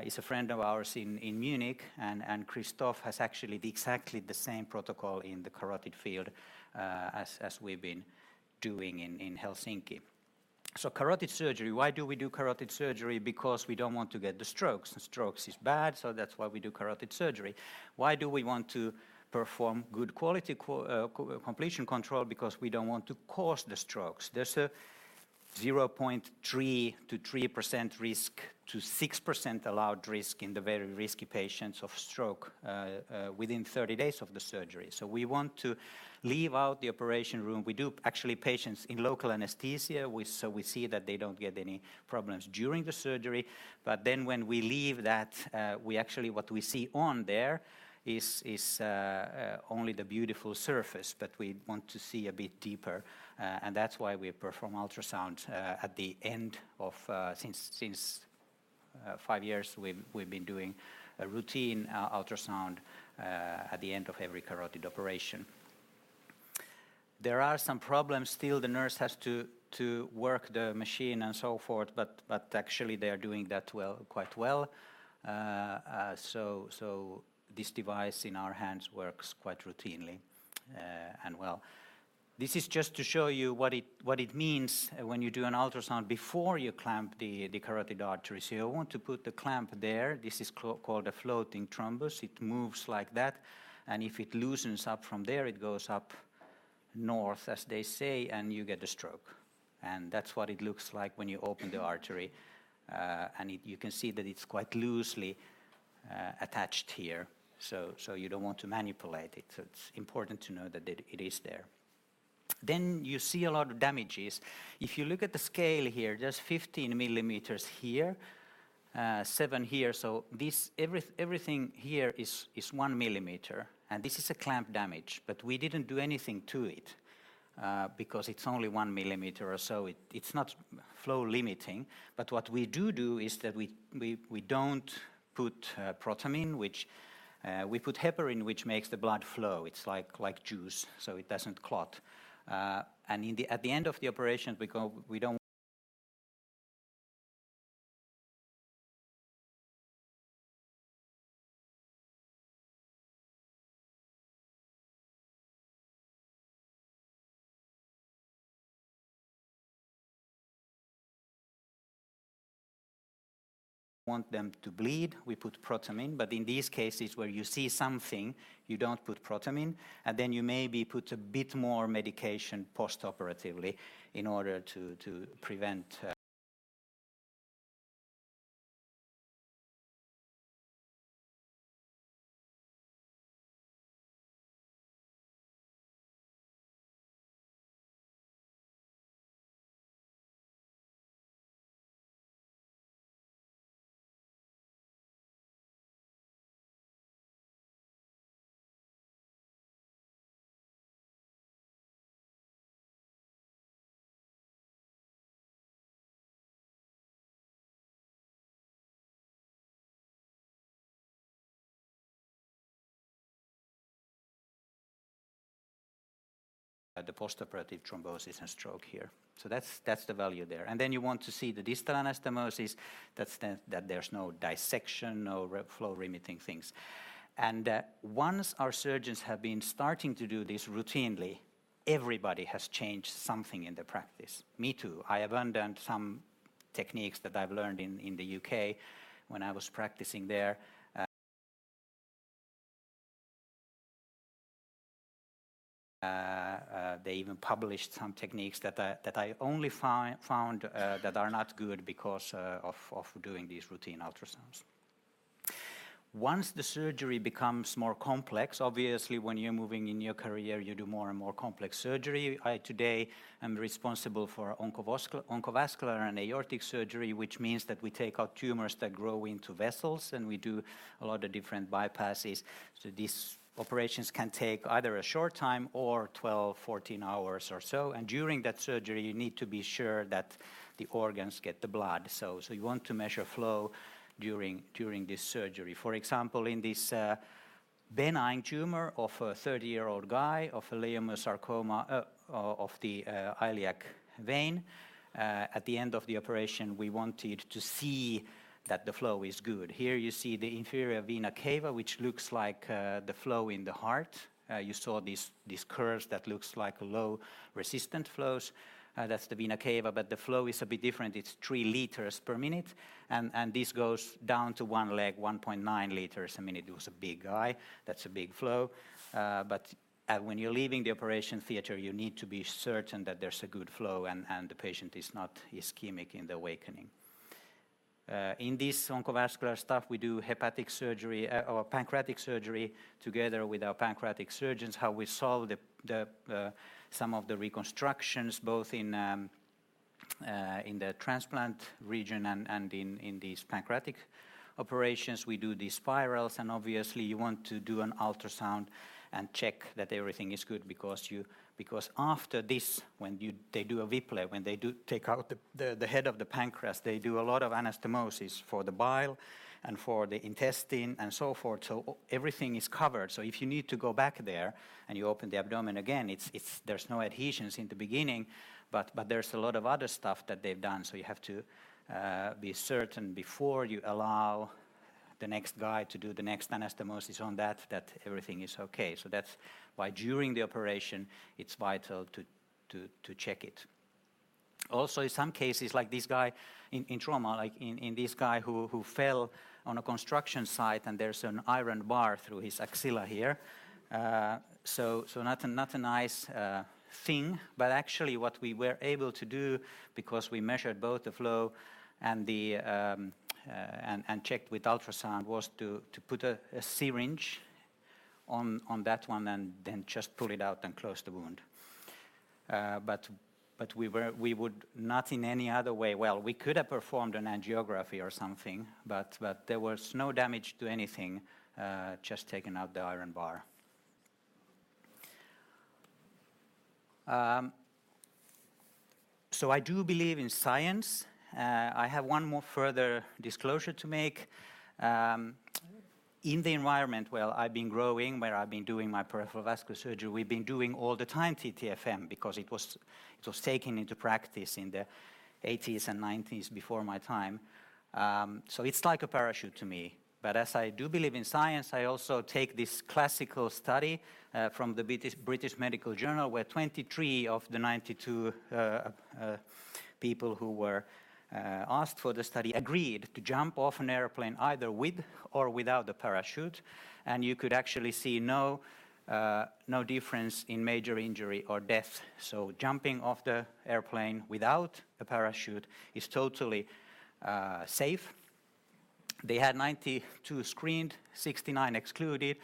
is a friend of ours in Munich, and Christoph has actually the exactly the same protocol in the carotid field as we've been doing in Helsinki. Carotid surgery, why do we do carotid surgery? Because we don't want to get the strokes. The strokes is bad, that's why we do carotid surgery. Why do we want to perform good quality completion control? Because we don't want to cause the strokes. There's a 0.3%-3% risk to 6% allowed risk in the very risky patients of stroke within 30 days of the surgery. We want to leave out the operation room. We do actually patients in local anesthesia. We see that they don't get any problems during the surgery. When we leave that, we actually, what we see on there is only the beautiful surface, but we want to see a bit deeper. That's why we perform ultrasound at the end of, since 5 years, we've been doing a routine ultrasound at the end of every carotid operation. There are some problems still. The nurse has to work the machine and so forth, but actually they are doing that well, quite well. This device in our hands works quite routinely and well. This is just to show you what it means when you do an ultrasound before you clamp the carotid artery. You want to put the clamp there. This is called a floating thrombus. It moves like that, if it loosens up from there, it goes up north, as they say, and you get a stroke. That's what it looks like when you open the artery, you can see that it's quite loosely attached here. You don't want to manipulate it. It's important to know that it is there. You see a lot of damages. If you look at the scale here, there's 15 millimeters here, 7 here. This, everything here is 1 millimeter, and this is a clamp damage. We didn't do anything to it, because it's only 1 millimeter or so. It's not flow limiting. What we do is that we don't put protamine, which we put heparin, which makes the blood flow. It's like juice, so it doesn't clot. At the end of the operation, we go, we don't want them to bleed. We put protamine. In these cases where you see something, you don't put protamine, and then you maybe put a bit more medication post-operatively in order to prevent the post-operative thrombosis and stroke here. That's, that's the value there. Then you want to see the distal anastomosis, that there's no dissection, no flow-limiting things. Once our surgeons have been starting to do this routinely, everybody has changed something in the practice. Me too. I abandoned some techniques that I've learned in the U.K. when I was practicing there, they even published some techniques that I only found that are not good because of doing these routine ultrasounds. Once the surgery becomes more complex, obviously, when you're moving in your career, you do more and more complex surgery. I today am responsible for oncovascular and aortic surgery, which means that we take out tumors that grow into vessels, and we do a lot of different bypasses. These operations can take either a short time or 12, 14 hours or so, and during that surgery, you need to be sure that the organs get the blood. You want to measure flow during this surgery. For example, in this, benign tumor of a 30-year-old guy, of a leiomyosarcoma, of the iliac vein, at the end of the operation, we wanted to see that the flow is good. Here you see the inferior vena cava, which looks like the flow in the heart. You saw these curves that look like low resistance flows. That's the vena cava, but the flow is a bit different. It's 3 liters per minute, and this goes down to one leg, 1.9 liters a minute. It was a big guy. That's a big flow. When you're leaving the operation theater, you need to be certain that there's a good flow and the patient is not ischemic in the awakening. In this oncovascular stuff, we do hepatic surgery, or pancreatic surgery together with our pancreatic surgeons, how we solve the some of the reconstructions, both in the transplant region and in these pancreatic operations. We do these spirals, obviously you want to do an ultrasound and check that everything is good because after this, when they do a Whipple, when they do take out the head of the pancreas, they do a lot of anastomosis for the bile and for the intestine and so forth. Everything is covered. If you need to go back there, and you open the abdomen again, it's there's no adhesions in the beginning, but there's a lot of other stuff that they've done. You have to be certain before you allow the next guy to do the next anastomosis on that everything is okay. That's why during the operation, it's vital to check it. In some cases, like this guy in trauma, like in this guy who fell on a construction site, and there's an iron bar through his axilla here. Not a nice thing. Actually, what we were able to do because we measured both the flow and the and checked with ultrasound was to put a syringe on that one and then just pull it out and close the wound. We would not in any other way. Well, we could have performed an angiography or something, but there was no damage to anything, just taking out the iron bar. I do believe in science. I have one more further disclosure to make. In the environment where I've been growing, where I've been doing my peripheral vascular surgery, we've been doing all the time TTFM because it was taken into practice in the eighties and nineties before my time. It's like a parachute to me. As I do believe in science, I also take this classical study from the British Medical Journal, where 23 of the 92 people who were asked for the study agreed to jump off an airplane either with or without a parachute, and you could actually see no difference in major injury or death. Jumping off the airplane without a parachute is totally safe. They had 92 screened, 69 excluded.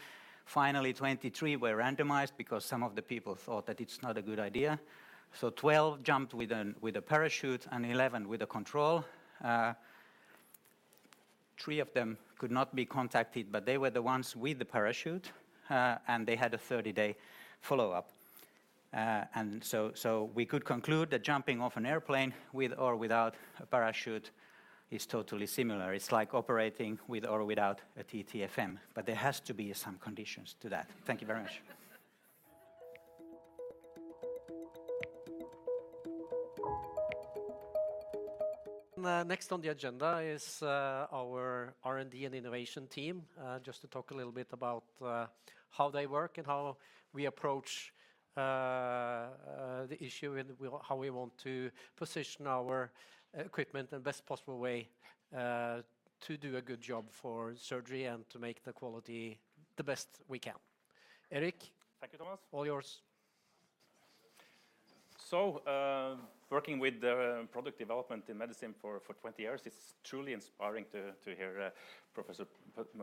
Finally, 23 were randomized because some of the people thought that it's not a good idea. 12 jumped with a parachute and 11 with a control. 3 of them could not be contacted, but they were the ones with the parachute, and they had a 30-day follow-up. We could conclude that jumping off an airplane with or without a parachute is totally similar. It's like operating with or without a TTFM, but there has to be some conditions to that. Thank you very much. Next on the agenda is our R&D and innovation team, just to talk a little bit about how they work and how we approach the issue and how we want to position our equipment in best possible way, to do a good job for surgery and to make the quality the best we can. Erik. Thank you, Thomas. All yours. Working with product development in medicine for 20 years, it's truly inspiring to hear Professor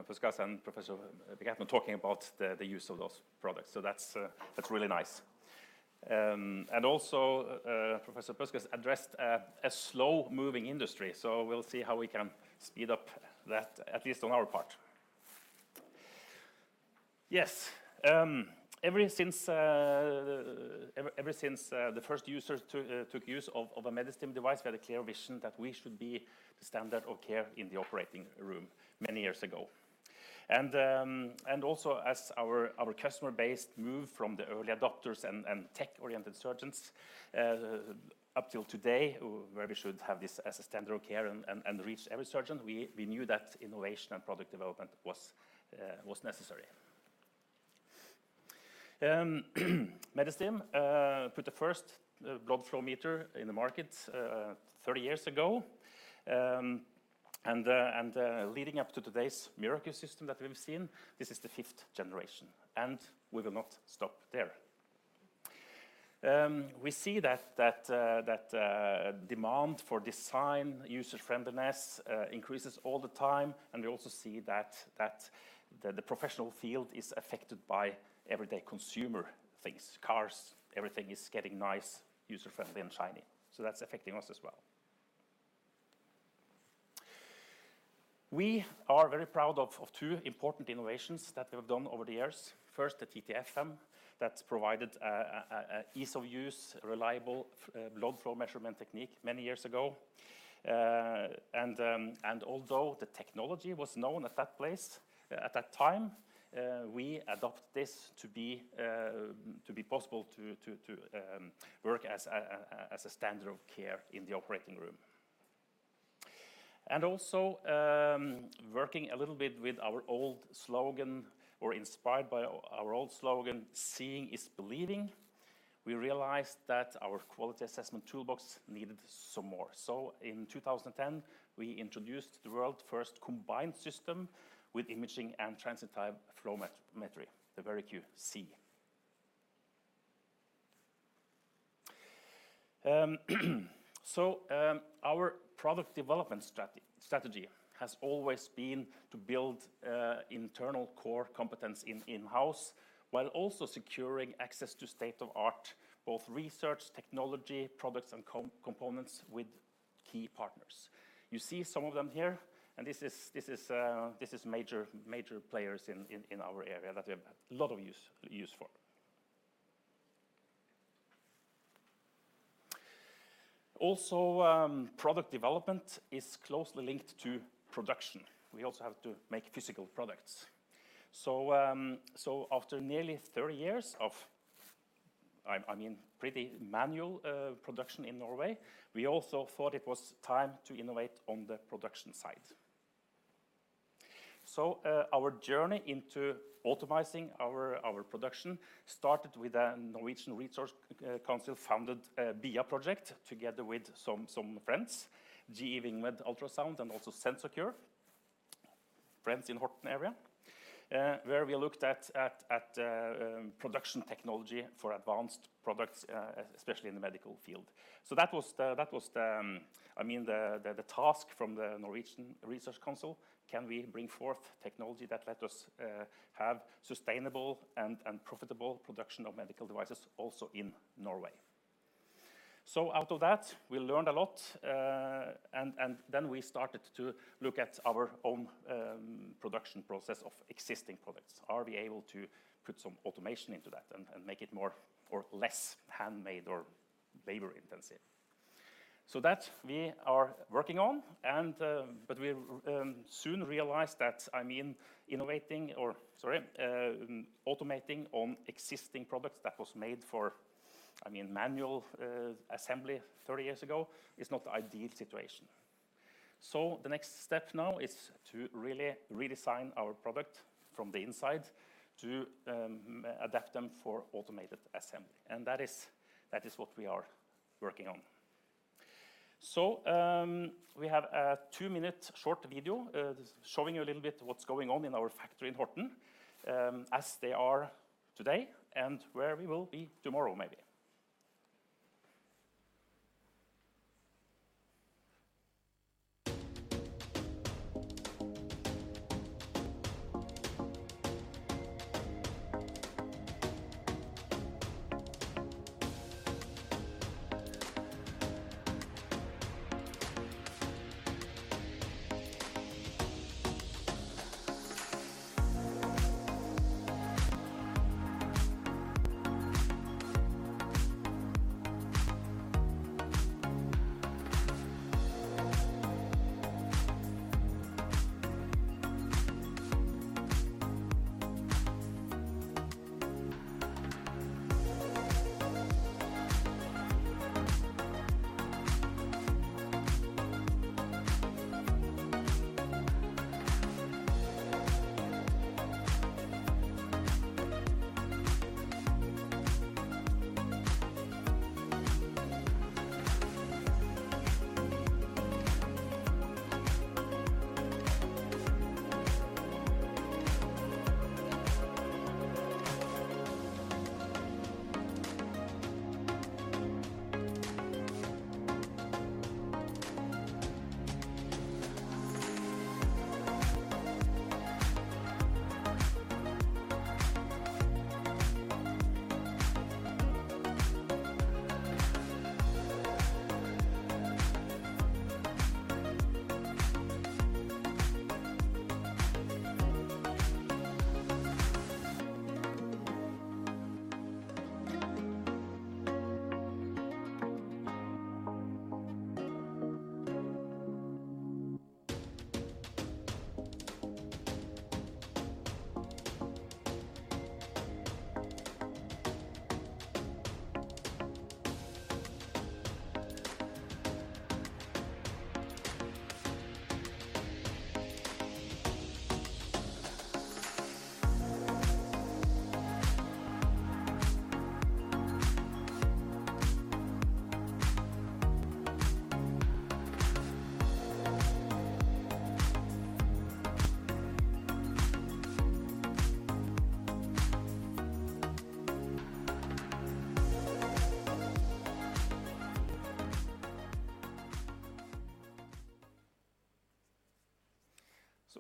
Puskas and Professor Vikatmaa talking about the use of those products. That's really nice. Also, Professor Puskas addressed a slow-moving industry. We'll see how we can speed up that, at least on our part. Yes, ever since the first users took use of a Medistim device, we had a clear vision that we should be the standard of care in the operating room many years ago. Also as our customer base moved from the early adopters and tech-oriented surgeons, up till today, where we should have this as a standard of care and, and reach every surgeon, we knew that innovation and product development was necessary. Medistim put the first blood flow meter in the market 30 years ago. Leading up to today's MiraQ system that we've seen, this is the fifth generation, and we will not stop there. We see that, that demand for design, user-friendliness, increases all the time, and we also see that the professional field is affected by everyday consumer things, cars, everything is getting nice, user-friendly, and shiny. That's affecting us as well. We are very proud of two important innovations that we've done over the years. First, the TTFM, that provided ease of use, reliable blood flow measurement technique many years ago. Although the technology was known at that place, at that time, we adopt this to be possible to work as a standard of care in the operating room. Also, working a little bit with our old slogan, or inspired by our old slogan, "Seeing is believing," we realized that our quality assessment toolbox needed some more. In 2010, we introduced the world's first combined system with imaging and transit-time flowmetry, the VeriQC. Our product development strategy has always been to build internal core competence in-house, while also securing access to state-of-art, both research, technology, products, and components with key partners. You see some of them here, this is major players in our area that we have a lot of use for. Also, product development is closely linked to production. We also have to make physical products. After nearly 30 years of, I mean, pretty manual production in Norway, we also thought it was time to innovate on the production side. Our journey into automizing our production started with a Research Council of Norway funded BIA project together with some friends, GE Vingmed Ultrasound, and also Sensocure, friends in Horten area, where we looked at production technology for advanced products, especially in the medical field. That was the, I mean, the task from the Research Council of Norway, can we bring forth technology that let us have sustainable and profitable production of medical devices also in Norway? Out of that, we learned a lot, and then we started to look at our own production process of existing products. Are we able to put some automation into that and make it more or less handmade or labor-intensive? That we are working on, and but we soon realized that, I mean, innovating or, sorry, automating on existing products that was made for, I mean, manual assembly 30 years ago, is not the ideal situation. The next step now is to really redesign our product from the inside to adapt them for automated assembly. That is what we are working on. We have a 2-minute short video, showing you a little bit what's going on in our factory in Horten, as they are today and where we will be tomorrow, maybe.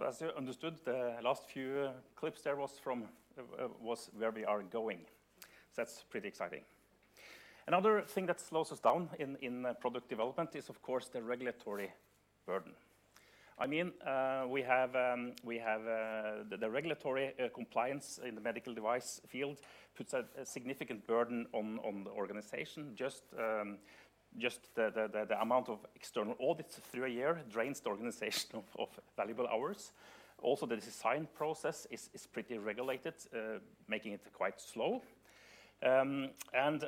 As you understood, the last few clips there was from where we are going. That's pretty exciting. Another thing that slows us down in product development is of course the regulatory burden. I mean, we have the regulatory compliance in the medical device field puts a significant burden on the organization. Just the amount of external audits through a year drains the organization of valuable hours. The design process is pretty regulated, making it quite slow. And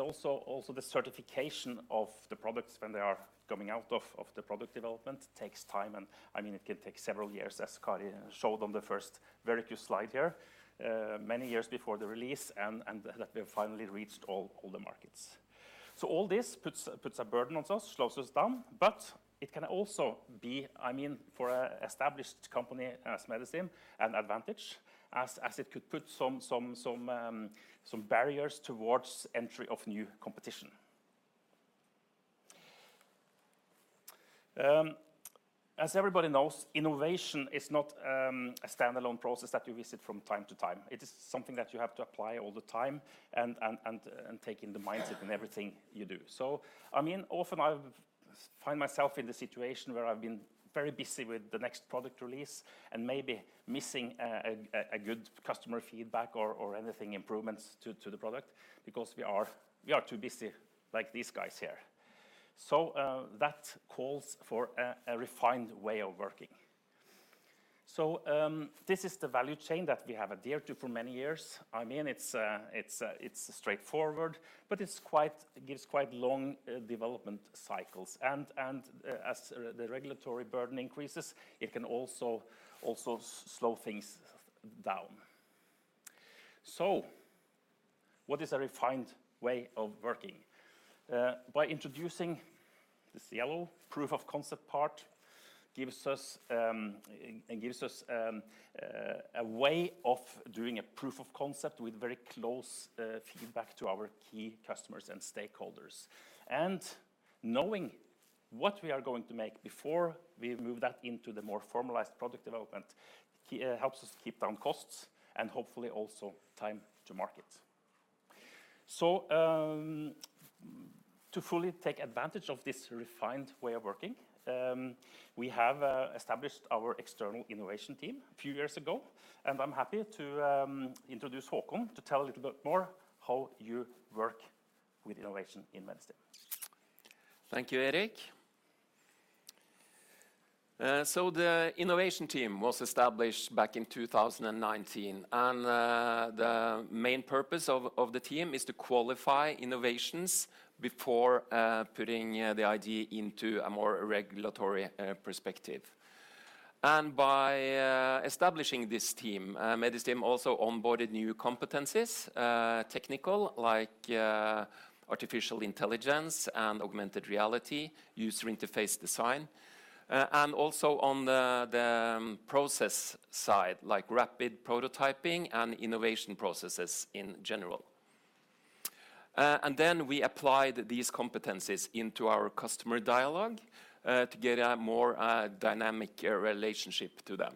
also the certification of the products when they are coming out of the product development takes time, and I mean, it can take several years, as Kari showed on the first very first slide here, many years before the release and that we have finally reached all the markets. All this puts a burden on us, slows us down, but it can also be, I mean, for a established company as Medistim, an advantage as it could put some barriers towards entry of new competition. As everybody knows, innovation is not a standalone process that you visit from time to time. It is something that you have to apply all the time and take in the mindset in everything you do. I mean, often I find myself in the situation where I've been very busy with the next product release and maybe missing a good customer feedback or anything improvements to the product because we are too busy like these guys here. That calls for a refined way of working. This is the value chain that we have adhered to for many years. I mean, it's straightforward, but it gives quite long development cycles. As the regulatory burden increases, it can also slow things down. What is a refined way of working? By introducing this yellow proof of concept part gives us a way of doing a proof of concept with very close feedback to our key customers and stakeholders. Knowing what we are going to make before we move that into the more formalized product development helps us keep down costs and hopefully also time to market. To fully take advantage of this refined way of working, we have established our external innovation team a few years ago, and I'm happy to introduce Haakon to tell a little bit more how you work with innovation in Medistim. Thank you, Erik. The innovation team was established back in 2019, and the main purpose of the team is to qualify innovations before putting the idea into a more regulatory perspective. By establishing this team, Medistim also onboarded new competencies, technical like artificial intelligence and augmented reality, user interface design, and also on the process side, like rapid prototyping and innovation processes in general. Then we applied these competencies into our customer dialogue to get a more dynamic relationship to them.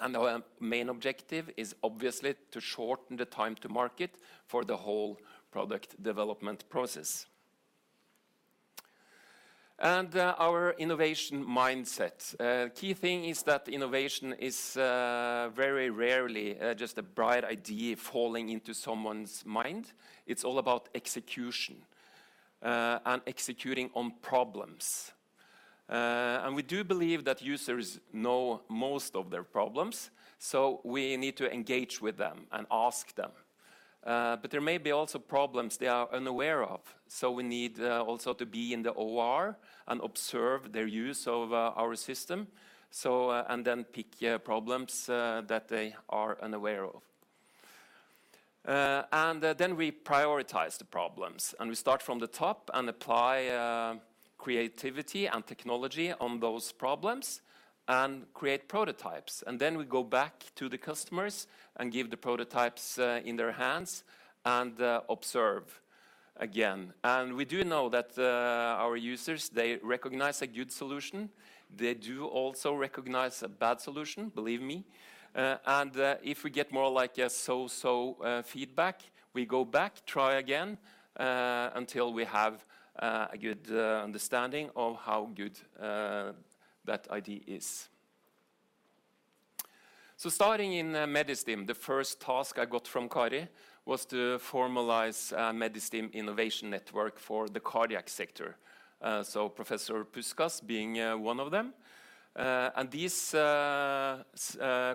Our main objective is obviously to shorten the time to market for the whole product development process. Our innovation mindset. Key thing is that innovation is very rarely just a bright idea falling into someone's mind. It's all about execution, and executing on problems. We do believe that users know most of their problems, so we need to engage with them and ask them. There may be also problems they are unaware of, so we need also to be in the OR and observe their use of our system, and then pick problems that they are unaware of. We prioritize the problems, and we start from the top and apply creativity and technology on those problems and create prototypes. We go back to the customers and give the prototypes in their hands and observe again. We do know that our users, they recognize a good solution. They do also recognize a bad solution, believe me. If we get more like a so-so feedback, we go back, try again until we have a good understanding of how good that idea is. Starting in Medistim, the first task I got from Kari was to formalize a Medistim Innovation Network for the cardiac sector, Professor Puskas being one of them. These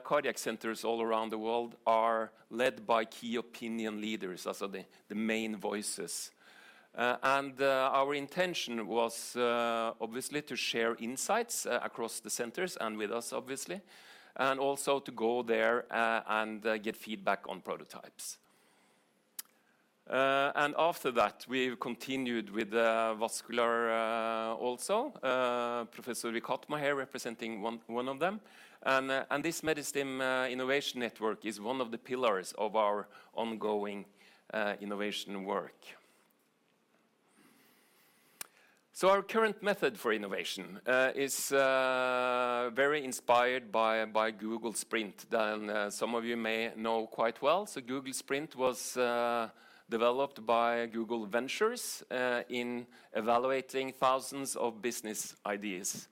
cardiac centers all around the world are led by key opinion leaders, also the main voices. Our intention was obviously to share insights across the centers and with us obviously, and also to go there and get feedback on prototypes. After that, we've continued with vascular, also Professor Vikatmaa here representing one of them. This Medistim Innovation Network is one of the pillars of our ongoing innovation work. Our current method for innovation is very inspired by Design Sprint, than some of you may know quite well. Design Sprint was developed by Google Ventures in evaluating thousands of business ideas.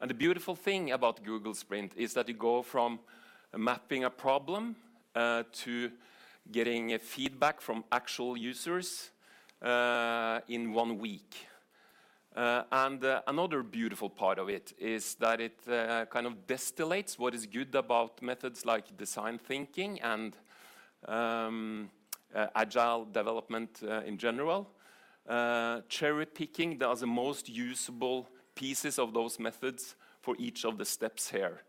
The beautiful thing about Design Sprint is that you go from mapping a problem to getting a feedback from actual users in one week. Another beautiful part of it is that it kind of distillates what is good about methods like design thinking and agile development in general, cherry-picking the most usable pieces of those methods for each of the steps here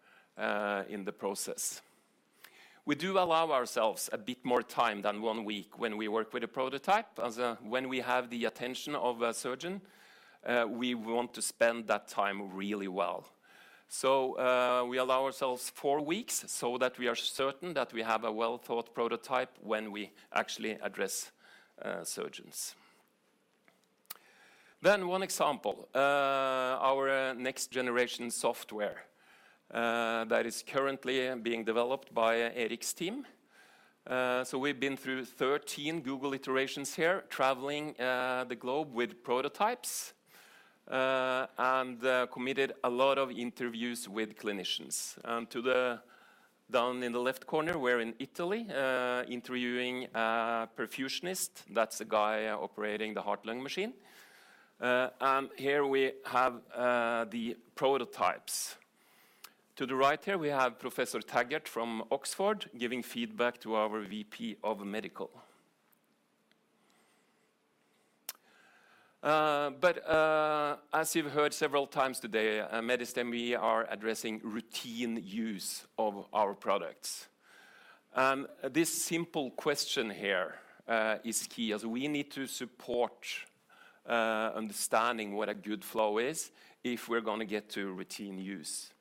in the process. We do allow ourselves a bit more time than one week when we work with a prototype. As when we have the attention of a surgeon, we want to spend that time really well. We allow ourselves four weeks so that we are certain that we have a well-thought prototype when we actually address surgeons. One example, our next generation software, that is currently being developed by Erik's team. We've been through 13 Google iterations here, traveling the globe with prototypes, and committed a lot of interviews with clinicians. To the, down in the left corner, we're in Italy, interviewing a perfusionist. That's the guy operating the heart-lung machine. Here we have the prototypes. To the right here, we have Professor Taggart from Oxford giving feedback to our VP of medical. As you've heard several times today, at Medistim, we are addressing routine use of our products. This simple question here is key, as we need to support understanding what a good flow is if we're gonna get to routine use.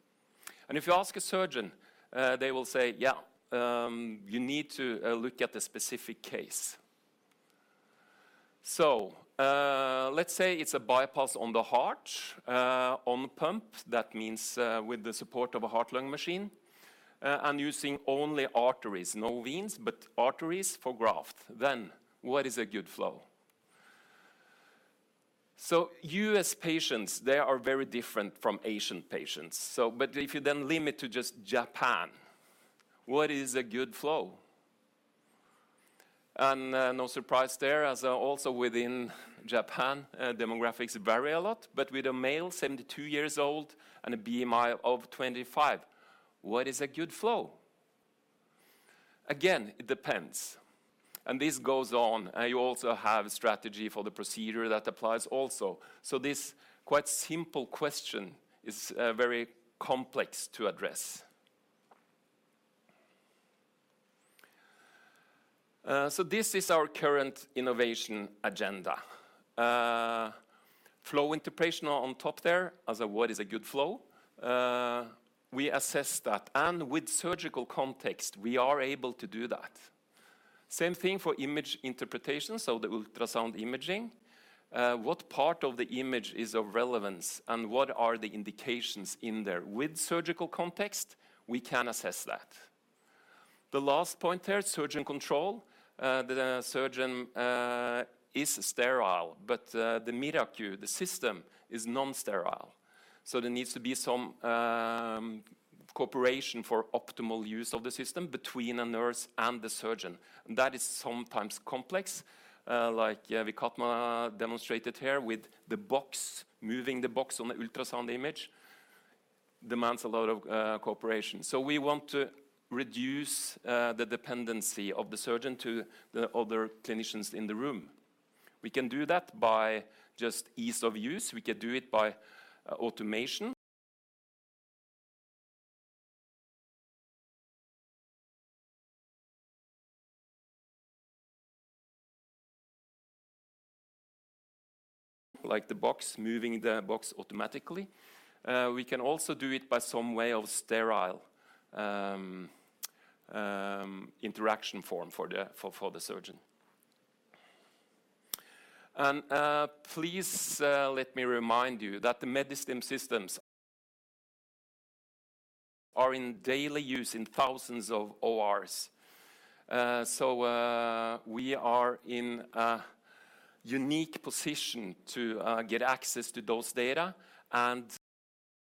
If you ask a surgeon, they will say, "Yeah, you need to look at the specific case." Let's say it's a bypass on the heart, on pump. That means, with the support of a heart-lung machine, and using only arteries, no veins, but arteries for graft. What is a good flow? U.S. patients, they are very different from Asian patients. If you then limit to just Japan, what is a good flow? No surprise there, as also within Japan, demographics vary a lot. With a male 72 years old and a BMI of 25, what is a good flow? Again, it depends. This goes on. You also have strategy for the procedure that applies also. This quite simple question is very complex to address. This is our current innovation agenda. Flow interpretation on top there as what is a good flow. We assess that, and with surgical context, we are able to do that. Same thing for image interpretation, so the ultrasound imaging. What part of the image is of relevance, and what are the indications in there? With surgical context, we can assess that. The last point there, surgeon control. The surgeon is sterile, but the MiraQ, the system, is non-sterile. There needs to be some cooperation for optimal use of the system between a nurse and the surgeon. That is sometimes complex, like Vikatmaa demonstrated here with the box, moving the box on the ultrasound image demands a lot of cooperation. We want to reduce the dependency of the surgeon to the other clinicians in the room. We can do that by just ease of use. We can do it by automation. Like the box, moving the box automatically. We can also do it by some way of sterile interaction form for the surgeon. Please let me remind you that the Medistim systems are in daily use in thousands of ORs. We are in a unique position to get access to those data and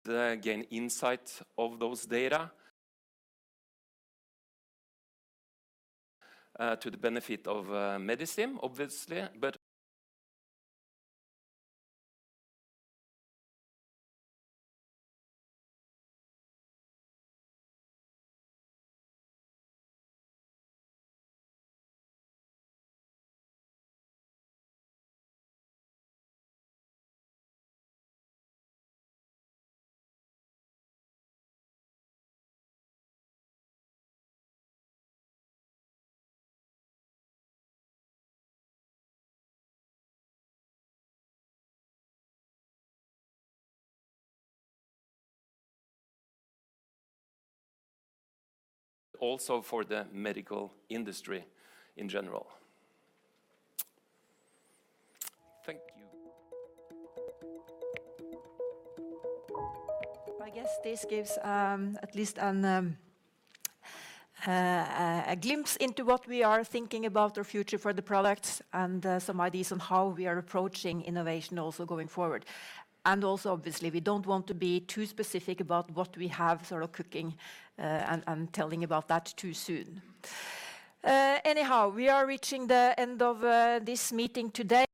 gain insight of those data to the benefit of Medistim, obviously, but also for the medical industry in general. Thank you. I guess this gives at least a glimpse into what we are thinking about our future for the products and some ideas on how we are approaching innovation also going forward. Also, obviously, we don't want to be too specific about what we have sort of cooking and telling about that too soon. Anyhow, we are reaching the end of this meeting today.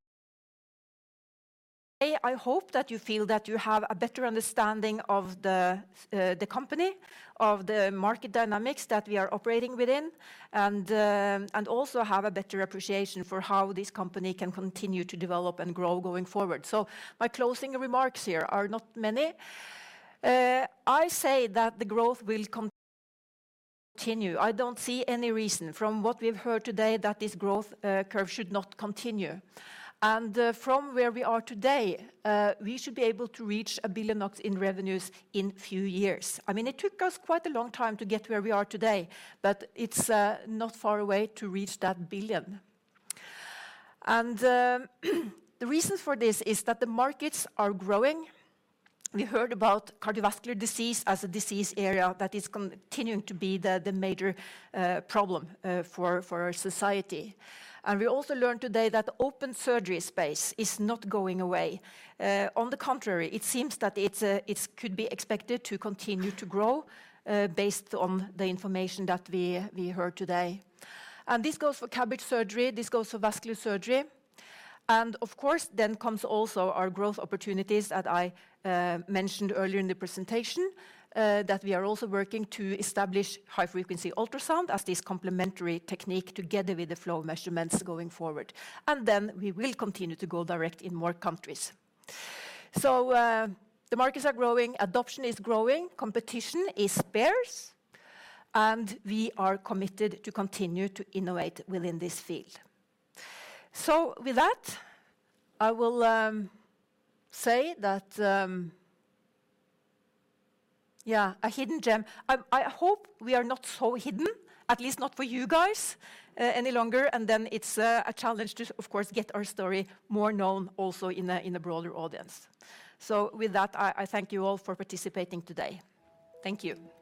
I hope that you feel that you have a better understanding of the company, of the market dynamics that we are operating within, and also have a better appreciation for how this company can continue to develop and grow going forward. My closing remarks here are not many. I say that the growth will continue. I don't see any reason from what we've heard today that this growth curve should not continue. From where we are today, we should be able to reach 1 billion in revenues in few years. I mean, it took us quite a long time to get where we are today, but it's not far away to reach that 1 billion. The reasons for this is that the markets are growing. We heard about cardiovascular disease as a disease area that is continuing to be the major problem for our society. We also learned today that open surgery space is not going away. On the contrary, it seems that it's it could be expected to continue to grow based on the information that we heard today. This goes for CABG surgery, this goes for vascular surgery. Of course, then comes also our growth opportunities that I mentioned earlier in the presentation, that we are also working to establish high-frequency ultrasound as this complementary technique together with the flow measurements going forward. Then we will continue to go direct in more countries. The markets are growing, adoption is growing, competition is sparse, and we are committed to continue to innovate within this field. With that, I will say that. Yeah, a hidden gem. I hope we are not so hidden, at least not for you guys, any longer. Then it's a challenge to, of course, get our story more known also in a, in a broader audience. With that, I thank you all for participating today. Thank you.